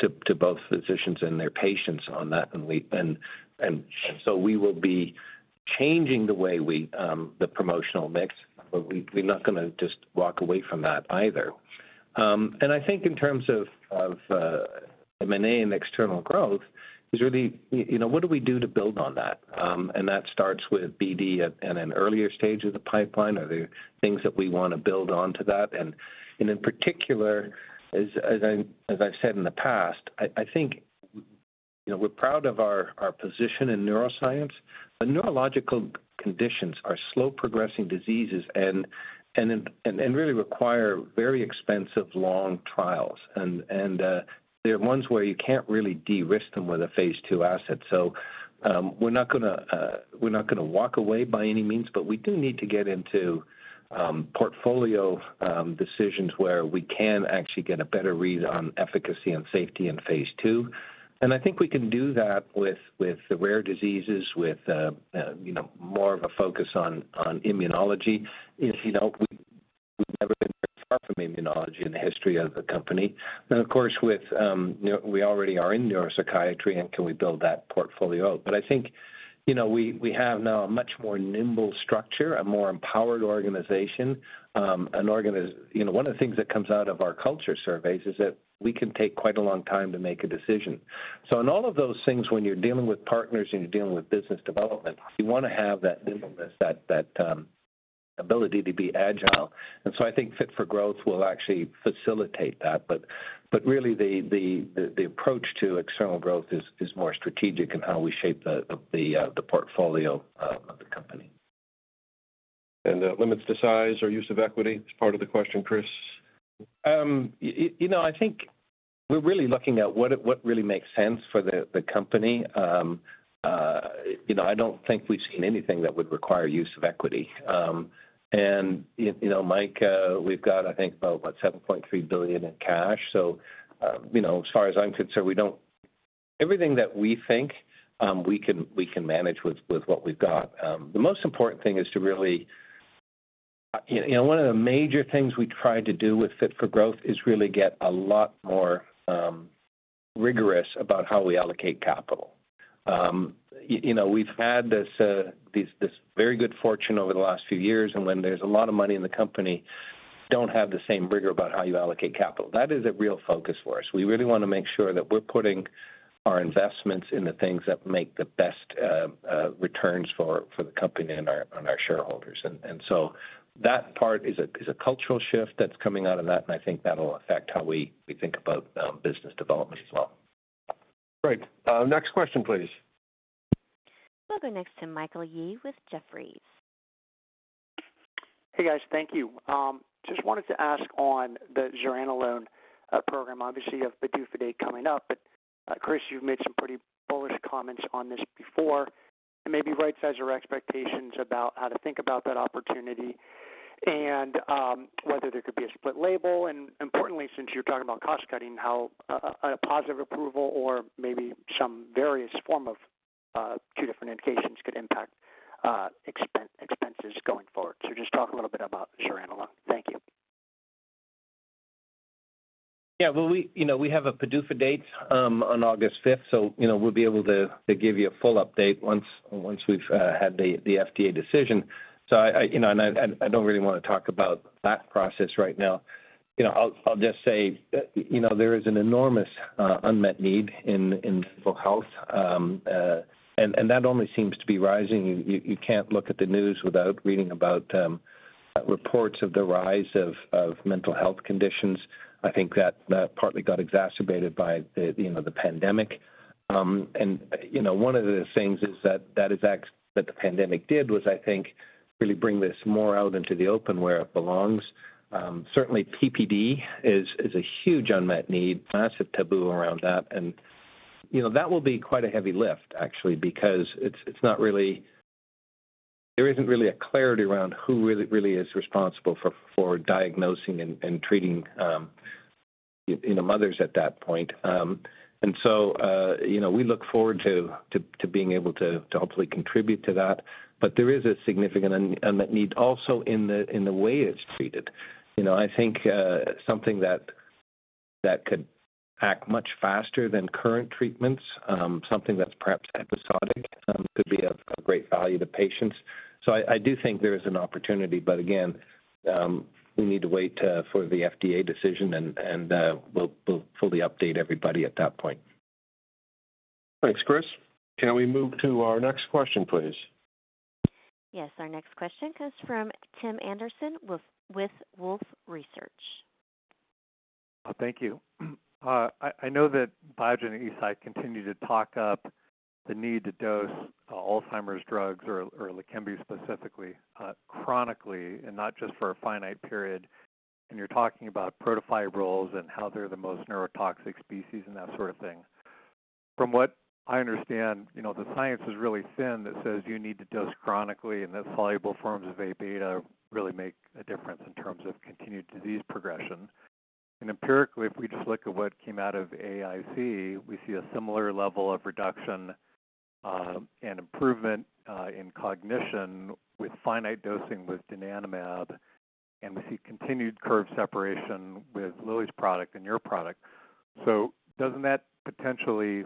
to both physicians and their patients on that. So we will be changing the way we the promotional mix, but we're not going to just walk away from that either. I think in terms of M&A and external growth is really, you know, what do we do to build on that? That starts with BD in an earlier stage of the pipeline. Are there things that we want to build on to that? In particular, as I've said in the past, I think, you know, we're proud of our position in neuroscience, but neurological conditions are slow-progressing diseases and really require very expensive, long trials. They're ones where you can't really de-risk them with a phase II asset. We're not gonna walk away by any means, but we do need to get into portfolio decisions where we can actually get a better read on efficacy and safety in phase II. I think we can do that with the rare diseases, with, you know, more of a focus on immunology. If, you know, we've never been very far from immunology in the history of the company. Of course, we already are in neuropsychiatry, and can we build that portfolio? I think, you know, we have now a much more nimble structure, a more empowered organization. You know, one of the things that comes out of our culture surveys is that we can take quite a long time to make a decision. In all of those things, when you're dealing with partners and you're dealing with business development, you want to have that nimbleness, that ability to be agile. I think Fit for Growth will actually facilitate that. Really, the approach to external growth is more strategic in how we shape the portfolio of the company. Limits to size or use of equity is part of the question, Chris? You know, I think we're really looking at what really makes sense for the company. You know, I don't think we've seen anything that would require use of equity. You know, Mike, we've got, I think, about $7.3 billion in cash, so, you know, as far as I'm concerned, everything that we think we can manage with what we've got. The most important thing is to really, you know, one of the major things we tried to do with Fit for Growth is really get a lot more rigorous about how we allocate capital. You know, we've had this very good fortune over the last few years, and when there's a lot of money in the company, don't have the same rigor about how you allocate capital. That is a real focus for us. We really want to make sure that we're putting our investments in the things that make the best returns for the company and our shareholders. That part is a cultural shift that's coming out of that. I think that'll affect how we think about business development as well. Great. Next question, please. We'll go next to Michael Yee with Jefferies. Hey, guys. Thank you. Just wanted to ask on the zuranolone program. Obviously, you have the PDUFA date coming up. Chris, you've made some pretty bullish comments on this before, and maybe rightsize your expectations about how to think about that opportunity and whether there could be a split label. Importantly, since you're talking about cost cutting, how a positive approval or maybe some various form of two different indications could impact expenses going forward. Just talk a little bit about zuranolone. Thank you. Yeah, well, we, you know, we have a PDUFA date, on August 5th, you know, we'll be able to give you a full update once we've had the FDA decision. I, you know, and I, and I don't really want to talk about that process right now. You know, I'll just say that, you know, there is an enormous unmet need in mental health, and that only seems to be rising. You, you can't look at the news without reading about reports of the rise of mental health conditions. I think that partly got exacerbated by the, you know, the pandemic. You know, one of the things is that the pandemic did was, I think, really bring this more out into the open where it belongs. Certainly PPD is a huge unmet need, massive taboo around that, you know, that will be quite a heavy lift, actually, because it's not really... There isn't really a clarity around who really is responsible for diagnosing and treating, you know, mothers at that point. You know, we look forward to being able to hopefully contribute to that. There is a significant unmet need also in the way it's treated. You know, I think something that could act much faster than current treatments, something that's perhaps episodic, could be of great value to patients. I do think there is an opportunity, but again, we need to wait for the FDA decision, and we'll fully update everybody at that point. Thanks, Chris. Can we move to our next question, please? Yes. Our next question comes from Tim Anderson with Wolfe Research. Thank you. I know that Biogen and Eisai continue to talk up the need to dose Alzheimer's drugs or LEQEMBI specifically chronically and not just for a finite period, and you're talking about protofibrils and how they're the most neurotoxic species and that sort of thing. From what I understand, you know, the science is really thin that says you need to dose chronically, and that soluble forms of Aβ really make a difference in terms of continued disease progression. Empirically, if we just look at what came out of AAIC, we see a similar level of reduction and improvement in cognition with finite dosing with donanemab, and we see continued curve separation with Lilly's product and your product. Doesn't that potentially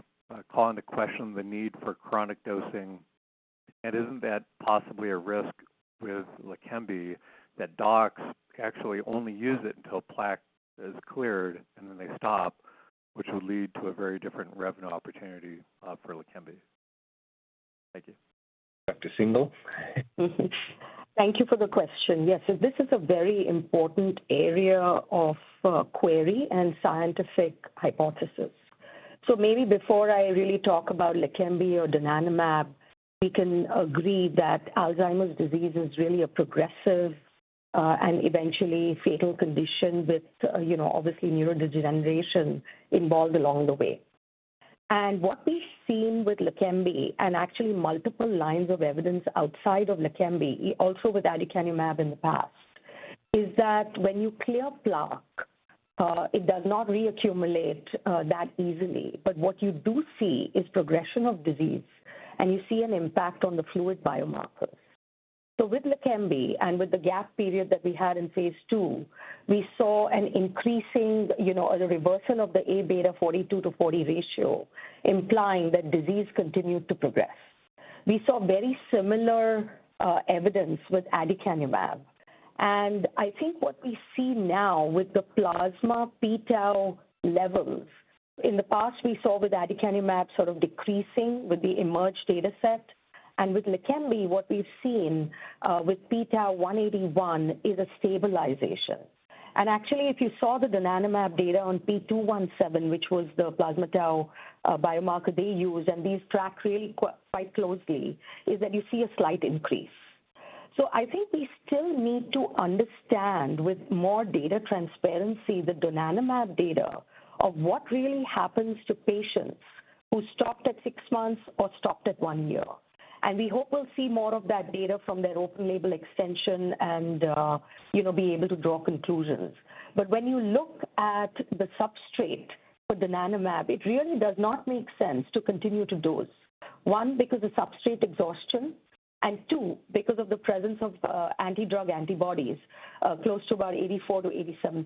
call into question the need for chronic dosing? Isn't that possibly a risk with LEQEMBI, that docs actually only use it until plaque is cleared, and then they stop, which would lead to a very different revenue opportunity, for LEQEMBI? Thank you. Dr. Singhal? Thank you for the question. Yes, this is a very important area of query and scientific hypothesis. Maybe before I really talk about LEQEMBI or donanemab, we can agree that Alzheimer's disease is really a progressive and eventually fatal condition with, you know, obviously neurodegeneration involved along the way. What we've seen with LEQEMBI and actually multiple lines of evidence outside of LEQEMBI, also with aducanumab in the past, is that when you clear plaque, it does not reaccumulate that easily. What you do see is progression of disease, and you see an impact on the fluid biomarkers. With LEQEMBI and with the gap period that we had in phase II, we saw an increasing, you know, a reversal of the Aβ42/40 ratio, implying that disease continued to progress. We saw very similar evidence with aducanumab, and I think what we see now with the plasma p-tau levels, in the past, we saw with aducanumab sort of decreasing with the EMERGE dataset, and with LEQEMBI, what we've seen with p-tau181, is a stabilization. Actually, if you saw the donanemab data on P217, which was the plasma tau biomarker they used, and these track really quite closely, is that you see a slight increase. I think we still need to understand, with more data transparency, the donanemab data of what really happens to patients who stopped at six months or stopped at one year. We hope we'll see more of that data from their open-label extension and, you know, be able to draw conclusions. When you look at the substrate for donanemab, it really does not make sense to continue to dose. One, because of substrate exhaustion, and two, because of the presence of anti-drug antibodies, close to about 84%-87%.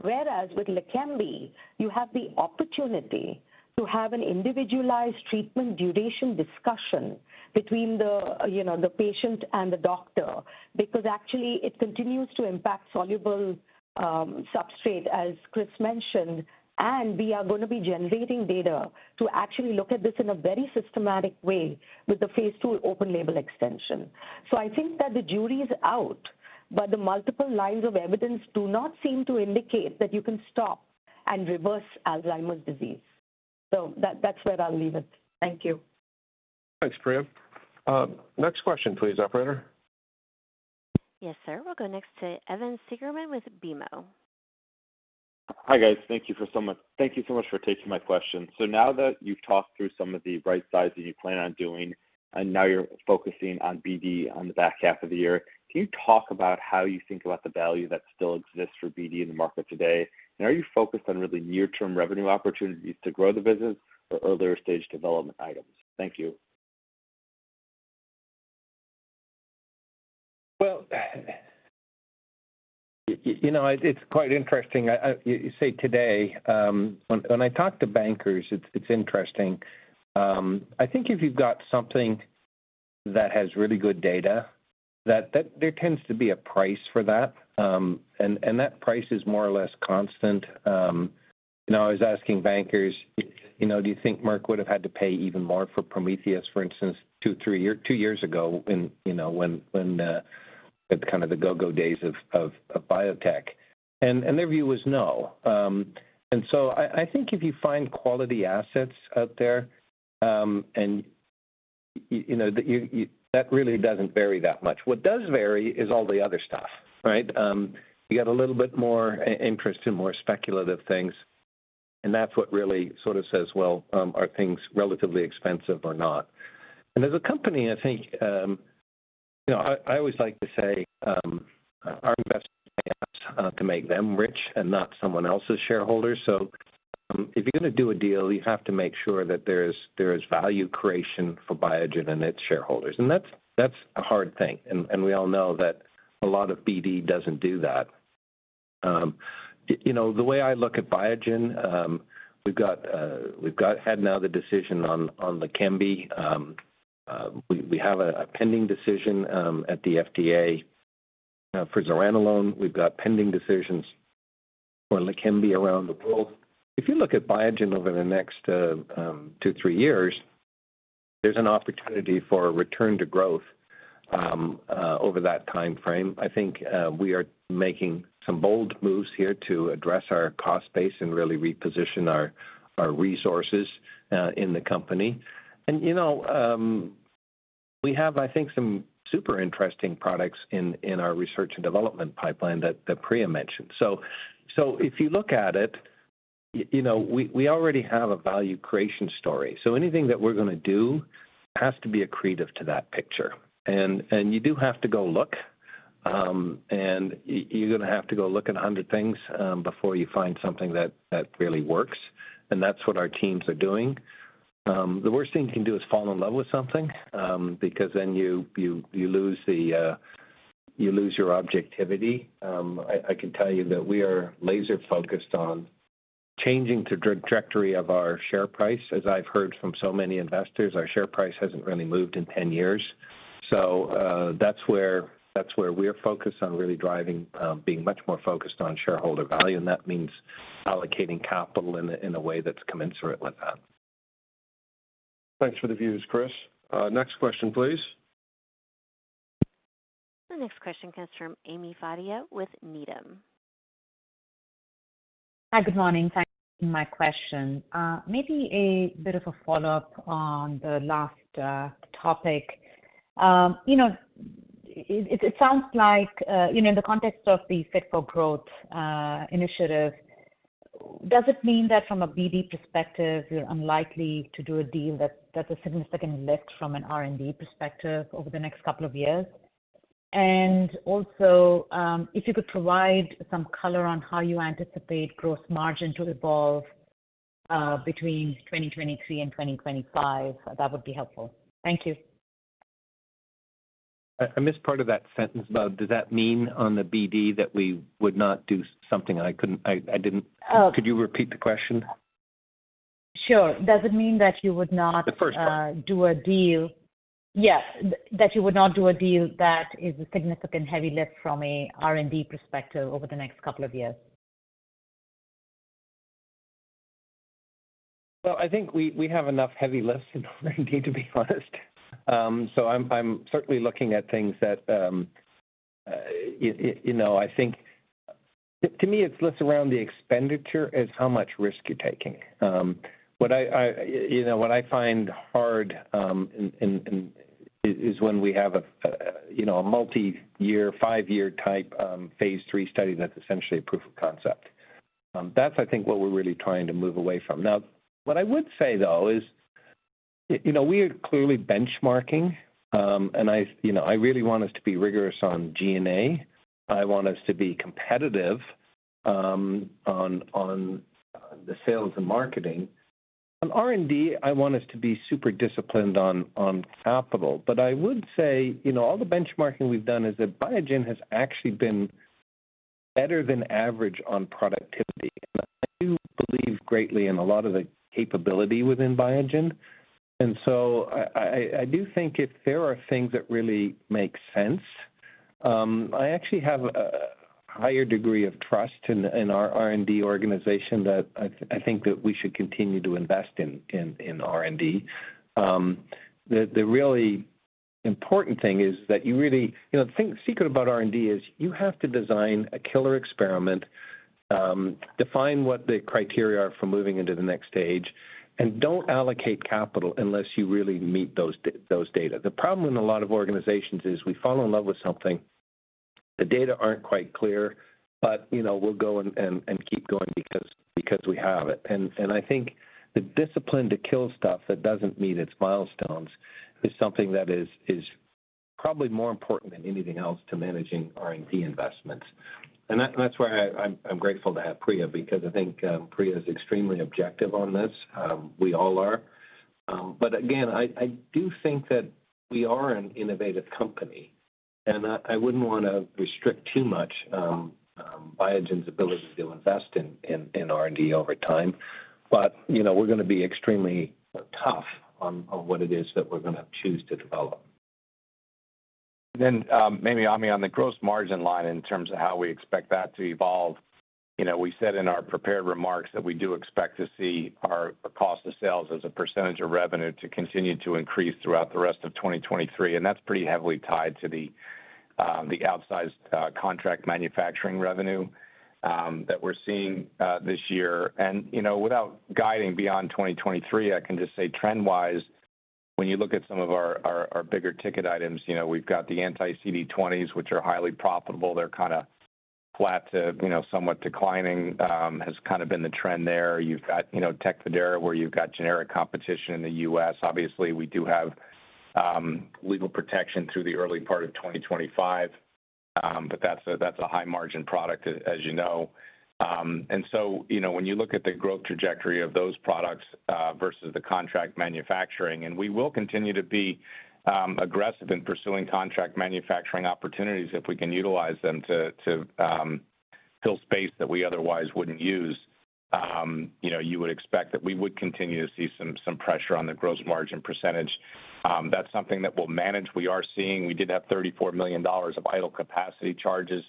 Whereas with LEQEMBI, you have the opportunity to have an individualized treatment duration discussion between the patient and the doctor, because actually it continues to impact soluble substrate, as Chris mentioned. We are going to be generating data to actually look at this in a very systematic way with the phase II open label extension. I think that the jury is out, but the multiple lines of evidence do not seem to indicate that you can stop and reverse Alzheimer's disease. That's where I'll leave it. Thank you. Thanks, Priya. Next question, please, operator. Yes, sir. We'll go next to Evan Seigerman with BMO. Hi, guys. Thank you so much for taking my question. Now that you've talked through some of the right-sizing that you plan on doing, and now you're focusing on BD on the back half of the year, can you talk about how you think about the value that still exists for BD in the market today? Are you focused on really near-term revenue opportunities to grow the business or other stage development items? Thank you. Well, you know, it's quite interesting. I, you say today, when I talk to bankers, it's interesting. I think if you've got something that has really good data, that there tends to be a price for that, and that price is more or less constant. You know, I was asking bankers, "You know, do you think Merck would have had to pay even more for Prometheus, for instance, two, three year, two years ago, in, you know, when, it's kind of the go-go days of biotech?" Their view was no. I think if you find quality assets out there, and you know, That really doesn't vary that much. What does vary is all the other stuff, right? You got a little bit more interest in more speculative things, that's what really sort of says, well, are things relatively expensive or not? As a company, I think, you know, I always like to say, our investors to make them rich and not someone else's shareholders. If you're going to do a deal, you have to make sure that there is value creation for Biogen and its shareholders, and that's a hard thing. We all know that a lot of BD doesn't do that. You know, the way I look at Biogen, we've got, had now the decision on LEQEMBI. We have a pending decision at the FDA for zuranolone. We've got pending decisions for LEQEMBI around the world. If you look at Biogen over the next, two, three years, there's an opportunity for a return to growth over that time frame. I think, we are making some bold moves here to address our cost base and really reposition our resources in the company. You know, we have, I think, some super interesting products in our research and development pipeline that Priya mentioned. If you look at it, you know, we already have a value creation story. Anything that we're going to do has to be accretive to that picture. You do have to go look, and you're going to have to go look at 100 things before you find something that really works, and that's what our teams are doing. The worst thing you can do is fall in love with something, because then you lose the, you lose your objectivity. I can tell you that we are laser-focused on changing the trajectory of our share price. As I've heard from so many investors, our share price hasn't really moved in 10 years. That's where we're focused on really driving, being much more focused on shareholder value, and that means allocating capital in a way that's commensurate with that. Thanks for the views, Chris. Next question, please. The next question comes from Ami Fadia with Needham. Hi, good morning. Thank you for taking my question. Maybe a bit of a follow-up on the last topic. You know, it sounds like, you know, in the context of the Fit for Growth initiative, does it mean that from a BD perspective, you're unlikely to do a deal that's a significant lift from an R&D perspective over the next couple of years? Also, if you could provide some color on how you anticipate growth margin to evolve between 2023 and 2025, that would be helpful. Thank you. I missed part of that sentence about. Does that mean on the BD that we would not do something? Oh. Could you repeat the question? Sure. Does it mean that you would not-? The first one. Do a deal... Yes, that you would not do a deal that is a significant heavy lift from a R&D perspective over the next couple of years? Well, I think we have enough heavy lifts in R&D, to be honest. I'm certainly looking at things that, you know, to me, it's less around the expenditure as how much risk you're taking. What I, you know, what I find hard is when we have a, you know, a multi-year, five-year type, phase III study that's essentially a proof of concept. That's, I think, what we're really trying to move away from. What I would say, though, is, you know, we are clearly benchmarking. I, you know, I really want us to be rigorous on G&A. I want us to be competitive, on the sales and marketing. On R&D, I want us to be super disciplined on capital. I would say, you know, all the benchmarking we've done is that Biogen has actually been better than average on productivity. I do believe greatly in a lot of the capability within Biogen. I do think if there are things that really make sense, I actually have a higher degree of trust in our R&D organization that I think that we should continue to invest in R&D. The really important thing is that you really. You know, the secret about R&D is you have to design a killer experiment, define what the criteria are for moving into the next stage, and don't allocate capital unless you really meet those data. The problem in a lot of organizations is we fall in love with something. The data aren't quite clear, you know, we'll go and keep going because we have it. I think the discipline to kill stuff that doesn't meet its milestones is probably more important than anything else to managing R&D investments. That's why I'm grateful to have Priya, because I think Priya is extremely objective on this. We all are. Again, I do think that we are an innovative company, and I wouldn't want to restrict too much Biogen's ability to invest in R&D over time. You know, we're going to be extremely tough on what it is that we're going to choose to develop. Maybe, Ami, on the gross margin line in terms of how we expect that to evolve, you know, we said in our prepared remarks that we do expect to see our cost of sales as a percentage of revenue to continue to increase throughout the rest of 2023, and that's pretty heavily tied to the outsized contract manufacturing revenue that we're seeing this year. You know, without guiding beyond 2023, I can just say trend-wise, when you look at some of our bigger-ticket items, you know, we've got the anti-CD20s, which are highly profitable. They're kinda flat to, you know, somewhat declining, has kind of been the trend there. You've got, you know, TECFIDERA, where you've got generic competition in the U.S. We do have legal protection through the early part of 2025, that's a high-margin product, as you know. You know, when you look at the growth trajectory of those products versus the contract manufacturing, we will continue to be aggressive in pursuing contract manufacturing opportunities if we can utilize them to fill space that we otherwise wouldn't use. You know, you would expect that we would continue to see some pressure on the gross margin percentage. That's something that we'll manage. We did have $34 million of idle capacity charges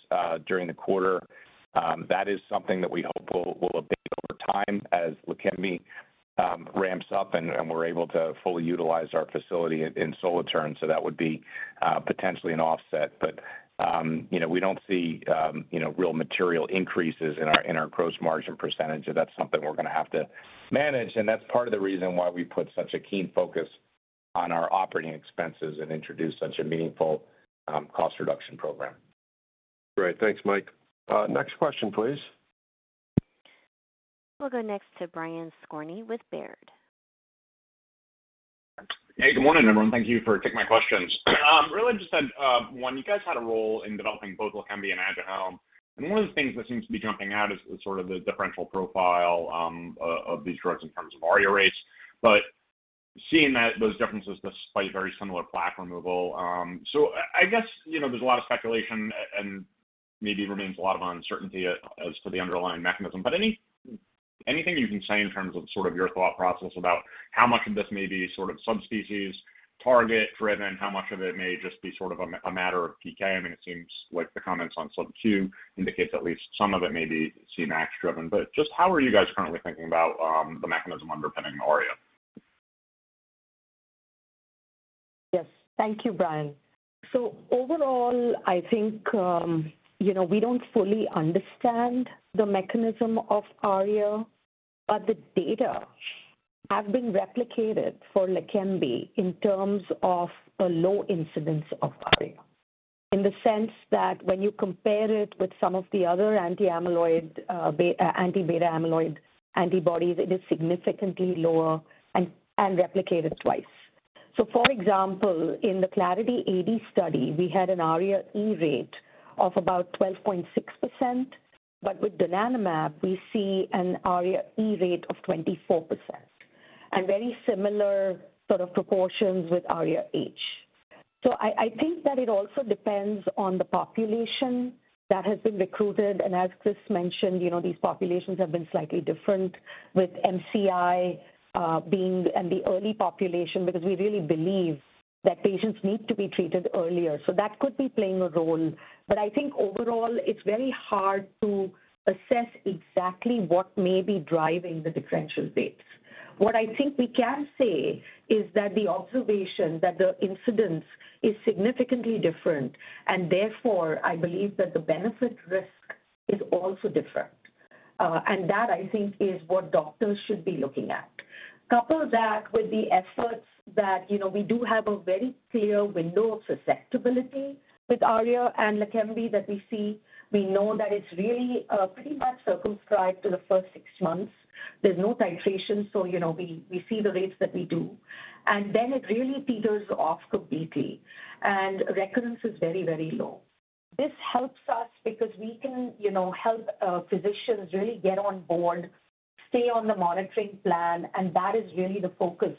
during the quarter. That is something that we hope will abate over time as LEQEMBI ramps up, and we're able to fully utilize our facility in Solothurn. That would be potentially an offset. You know, we don't see, you know, real material increases in our gross margin percentage, so that's something we're going to have to manage. That's part of the reason why we put such a keen focus on our operating expenses and introduced such a meaningful cost reduction program. Great. Thanks, Mike. Next question, please. We'll go next to Brian Skorney with Baird. Hey, good morning, everyone. Thank you for taking my questions. Really just had one. You guys had a role in developing both LEQEMBI and ADUHELM, and one of the things that seems to be jumping out is sort of the differential profile of these drugs in terms of ARIA rates. Seeing that, those differences despite very similar plaque removal, I guess, you know, there's a lot of speculation and maybe remains a lot of uncertainty as to the underlying mechanism. Anything you can say in terms of sort of your thought process about how much of this may be sort of subspecies, target-driven, how much of it may just be sort of a matter of PK? I mean, it seems like the comments on sub two indicates at least some of it may be Cmax driven. just how are you guys currently thinking about the mechanism underpinning the ARIA? Yes. Thank you, Brian. Overall, I think, you know, we don't fully understand the mechanism of ARIA, but the data have been replicated for LEQEMBI in terms of a low incidence of ARIA, in the sense that when you compare it with some of the other anti-amyloid beta antibodies, it is significantly lower and replicated twice. For example, in the Clarity AD study, we had an ARIA-E rate of about 12.6%, but with donanemab, we see an ARIA-E rate of 24%, and very similar sort of proportions with ARIA-H. I think that it also depends on the population that has been recruited, and as Chris mentioned, you know, these populations have been slightly different, with MCI, being and the early population, because we really believe that patients need to be treated earlier. That could be playing a role. I think overall, it's very hard to assess exactly what may be driving the differential rates. What I think we can say is that the observation that the incidence is significantly different, and therefore, I believe that the benefit risk is also different. That, I think, is what doctors should be looking at. Couple that with the efforts that, you know, we do have a very clear window of susceptibility with ARIA and LEQEMBI that we see. We know that it's really pretty much circumscribed to the first six months. There's no titration, so you know, we see the rates that we do, and then it really teeters off completely. Recurrence is very, very low. This helps us because we can, you know, help physicians really get on board, stay on the monitoring plan, and that is really the focus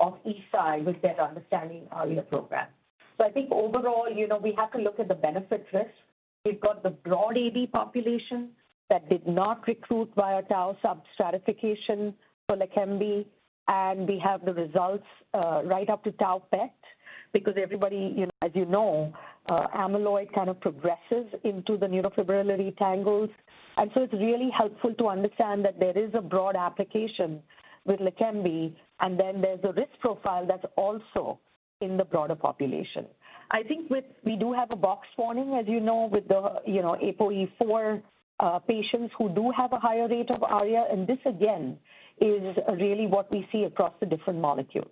of Eisai with their understanding ARIA program. I think overall, you know, we have to look at the benefit risk. We've got the broad AD population that did not recruit via tau sub-stratification for LEQEMBI, and we have the results right up to tau PET, because everybody, you know, as you know, amyloid kind of progresses into the neurofibrillary tangles. It's really helpful to understand that there is a broad application with LEQEMBI, and then there's a risk profile that's also in the broader population. I think we do have a box warning, as you know, with the, you know, APOE4 patients who do have a higher rate of ARIA, and this again, is really what we see across the different molecules.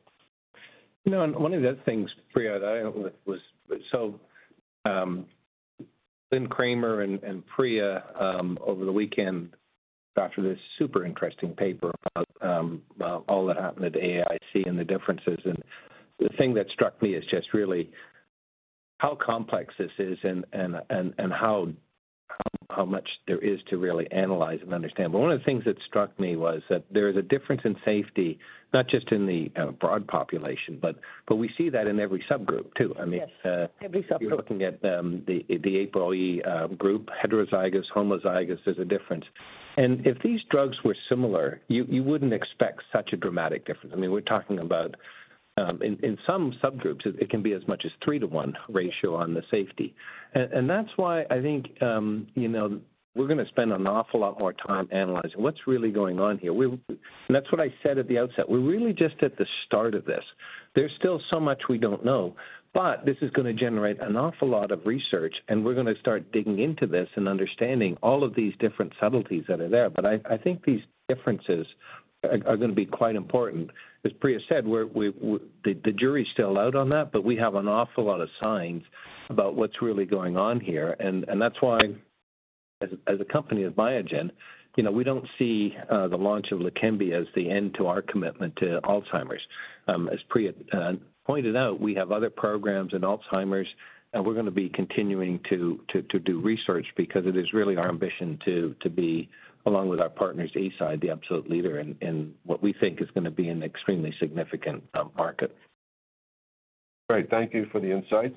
You know, and one of the things, Priya, that I was. Lynn Kramer and Priya over the weekend, got to this super interesting paper about all that happened at AAIC and the differences. The thing that struck me is just really how complex this is and how much there is to really analyze and understand. One of the things that struck me was that there is a difference in safety, not just in the broad population, but we see that in every subgroup, too. Yes. I mean. Every subgroup. You're looking at the APOE group, heterozygous, homozygous, there's a difference. If these drugs were similar, you wouldn't expect such a dramatic difference. I mean, we're talking about in some subgroups, it can be as much as three to one ratio on the safety. That's why I think, you know, we're gonna spend an awful lot more time analyzing what's really going on here. And that's what I said at the outset, we're really just at the start of this. There's still so much we don't know, this is gonna generate an awful lot of research, and we're gonna start digging into this and understanding all of these different subtleties that are there. I think these differences are gonna be quite important. As Priya said, we're, the jury's still out on that, but we have an awful lot of signs about what's really going on here. That's why, as a company of Biogen, you know, we don't see the launch of LEQEMBI as the end to our commitment to Alzheimer's. As Priya pointed out, we have other programs in Alzheimer's, and we're gonna be continuing to do research because it is really our ambition to be, along with our partners, Eisai, the absolute leader in what we think is gonna be an extremely significant market. Great, thank you for the insights.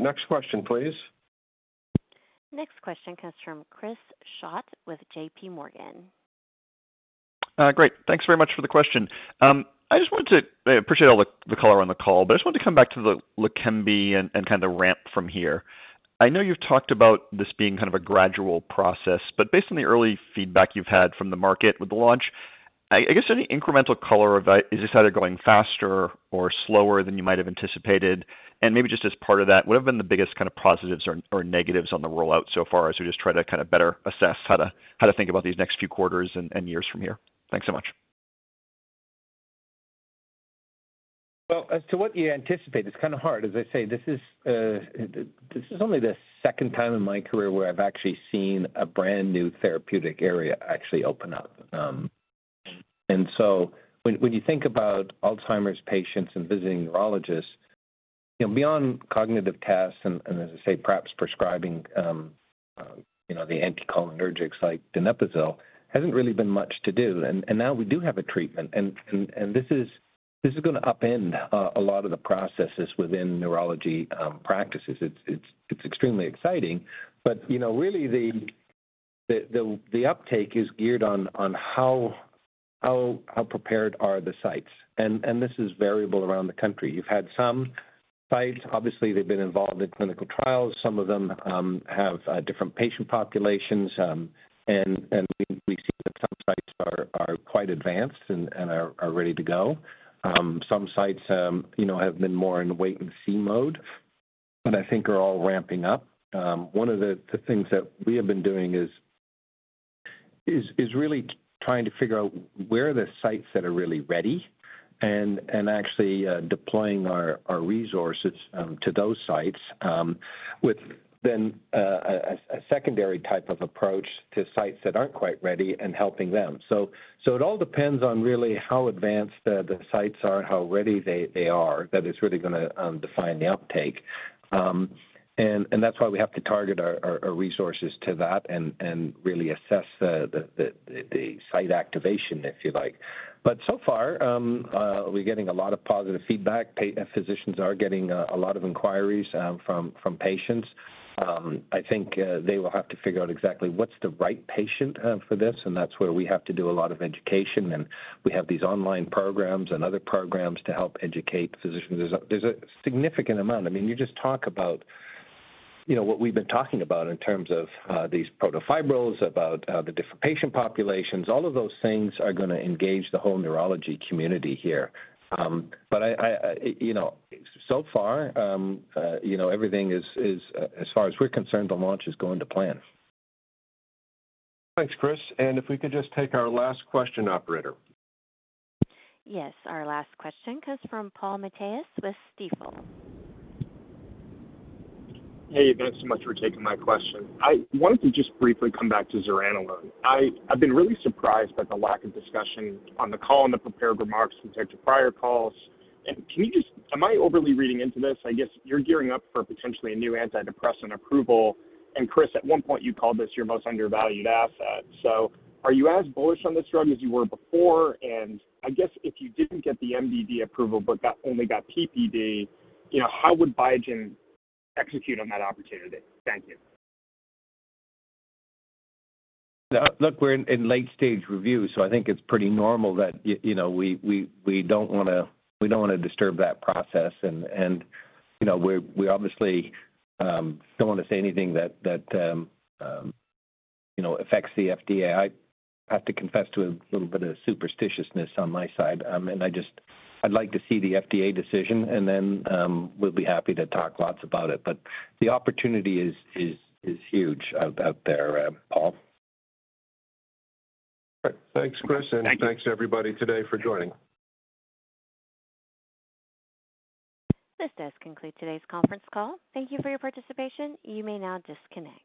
Next question, please. Next question comes from Chris Schott with JPMorgan. Great. Thanks very much for the question. I appreciate all the color on the call, but I just wanted to come back to the LEQEMBI and kind of ramp from here. I know you've talked about this being kind of a gradual process, but based on the early feedback you've had from the market with the launch, I guess, any incremental color of that, is this either going faster or slower than you might have anticipated? Maybe just as part of that, what have been the biggest kind of positives or negatives on the rollout so far, as we just try to kind of better assess how to, how to think about these next few quarters and years from here? Thanks so much. Well, as to what you anticipate, it's kinda hard. As I say, this is only the second time in my career where I've actually seen a brand-new therapeutic area actually open up. When you think about Alzheimer's patients and visiting neurologists, you know, beyond cognitive tests, and as I say, perhaps prescribing, you know, the anticholinergics like donepezil, hasn't really been much to do. Now we do have a treatment, and this is gonna upend a lot of the processes within neurology practices. It's extremely exciting, but, you know, really, the uptake is geared on how prepared are the sites? This is variable around the country. You've had some sites, obviously, they've been involved in clinical trials. Some of them have different patient populations, and we see that some sites are quite advanced and are ready to go. Some sites, you know, have been more in the wait-and-see mode, but I think are all ramping up. One of the things that we have been doing is really trying to figure out where are the sites that are really ready and actually deploying our resources to those sites with then a secondary type of approach to sites that aren't quite ready and helping them. It all depends on really how advanced the sites are, how ready they are, that is really gonna define the uptake. And that's why we have to target our resources to that and really assess the site activation, if you like. So far, we're getting a lot of positive feedback. Physicians are getting a lot of inquiries from patients. I think they will have to figure out exactly what's the right patient for this, and that's where we have to do a lot of education, and we have these online programs and other programs to help educate physicians. There's a significant amount. I mean, you just talk about, you know, what we've been talking about in terms of these protofibrils, about the different patient populations. All of those things are gonna engage the whole neurology community here. I, you know, so far, you know, everything is, as far as we're concerned, the launch is going to plan. Thanks, Chris. If we could just take our last question, operator. Yes, our last question comes from Paul Matteis with Stifel. Hey, thanks so much for taking my question. I wanted to just briefly come back to zuranolone. I've been really surprised by the lack of discussion on the call, in the prepared remarks compared to prior calls. Can you just am I overly reading into this? I guess you're gearing up for potentially a new antidepressant approval. Chris, at one point, you called this your most undervalued asset. Are you as bullish on this drug as you were before? I guess if you didn't get the MDD approval but only got PPD, you know, how would Biogen execute on that opportunity? Thank you. Look, we're in late stage review, so I think it's pretty normal that you know, we don't wanna, we don't wanna disturb that process. You know, we obviously don't want to say anything that, you know, affects the FDA. I have to confess to a little bit of superstitiousness on my side, and I'd like to see the FDA decision, and then, we'll be happy to talk lots about it. The opportunity is huge out there, Paul. All right. Thanks, Chris. Thank you. Thanks to everybody today for joining. This does conclude today's conference call. Thank you for your participation. You may now disconnect.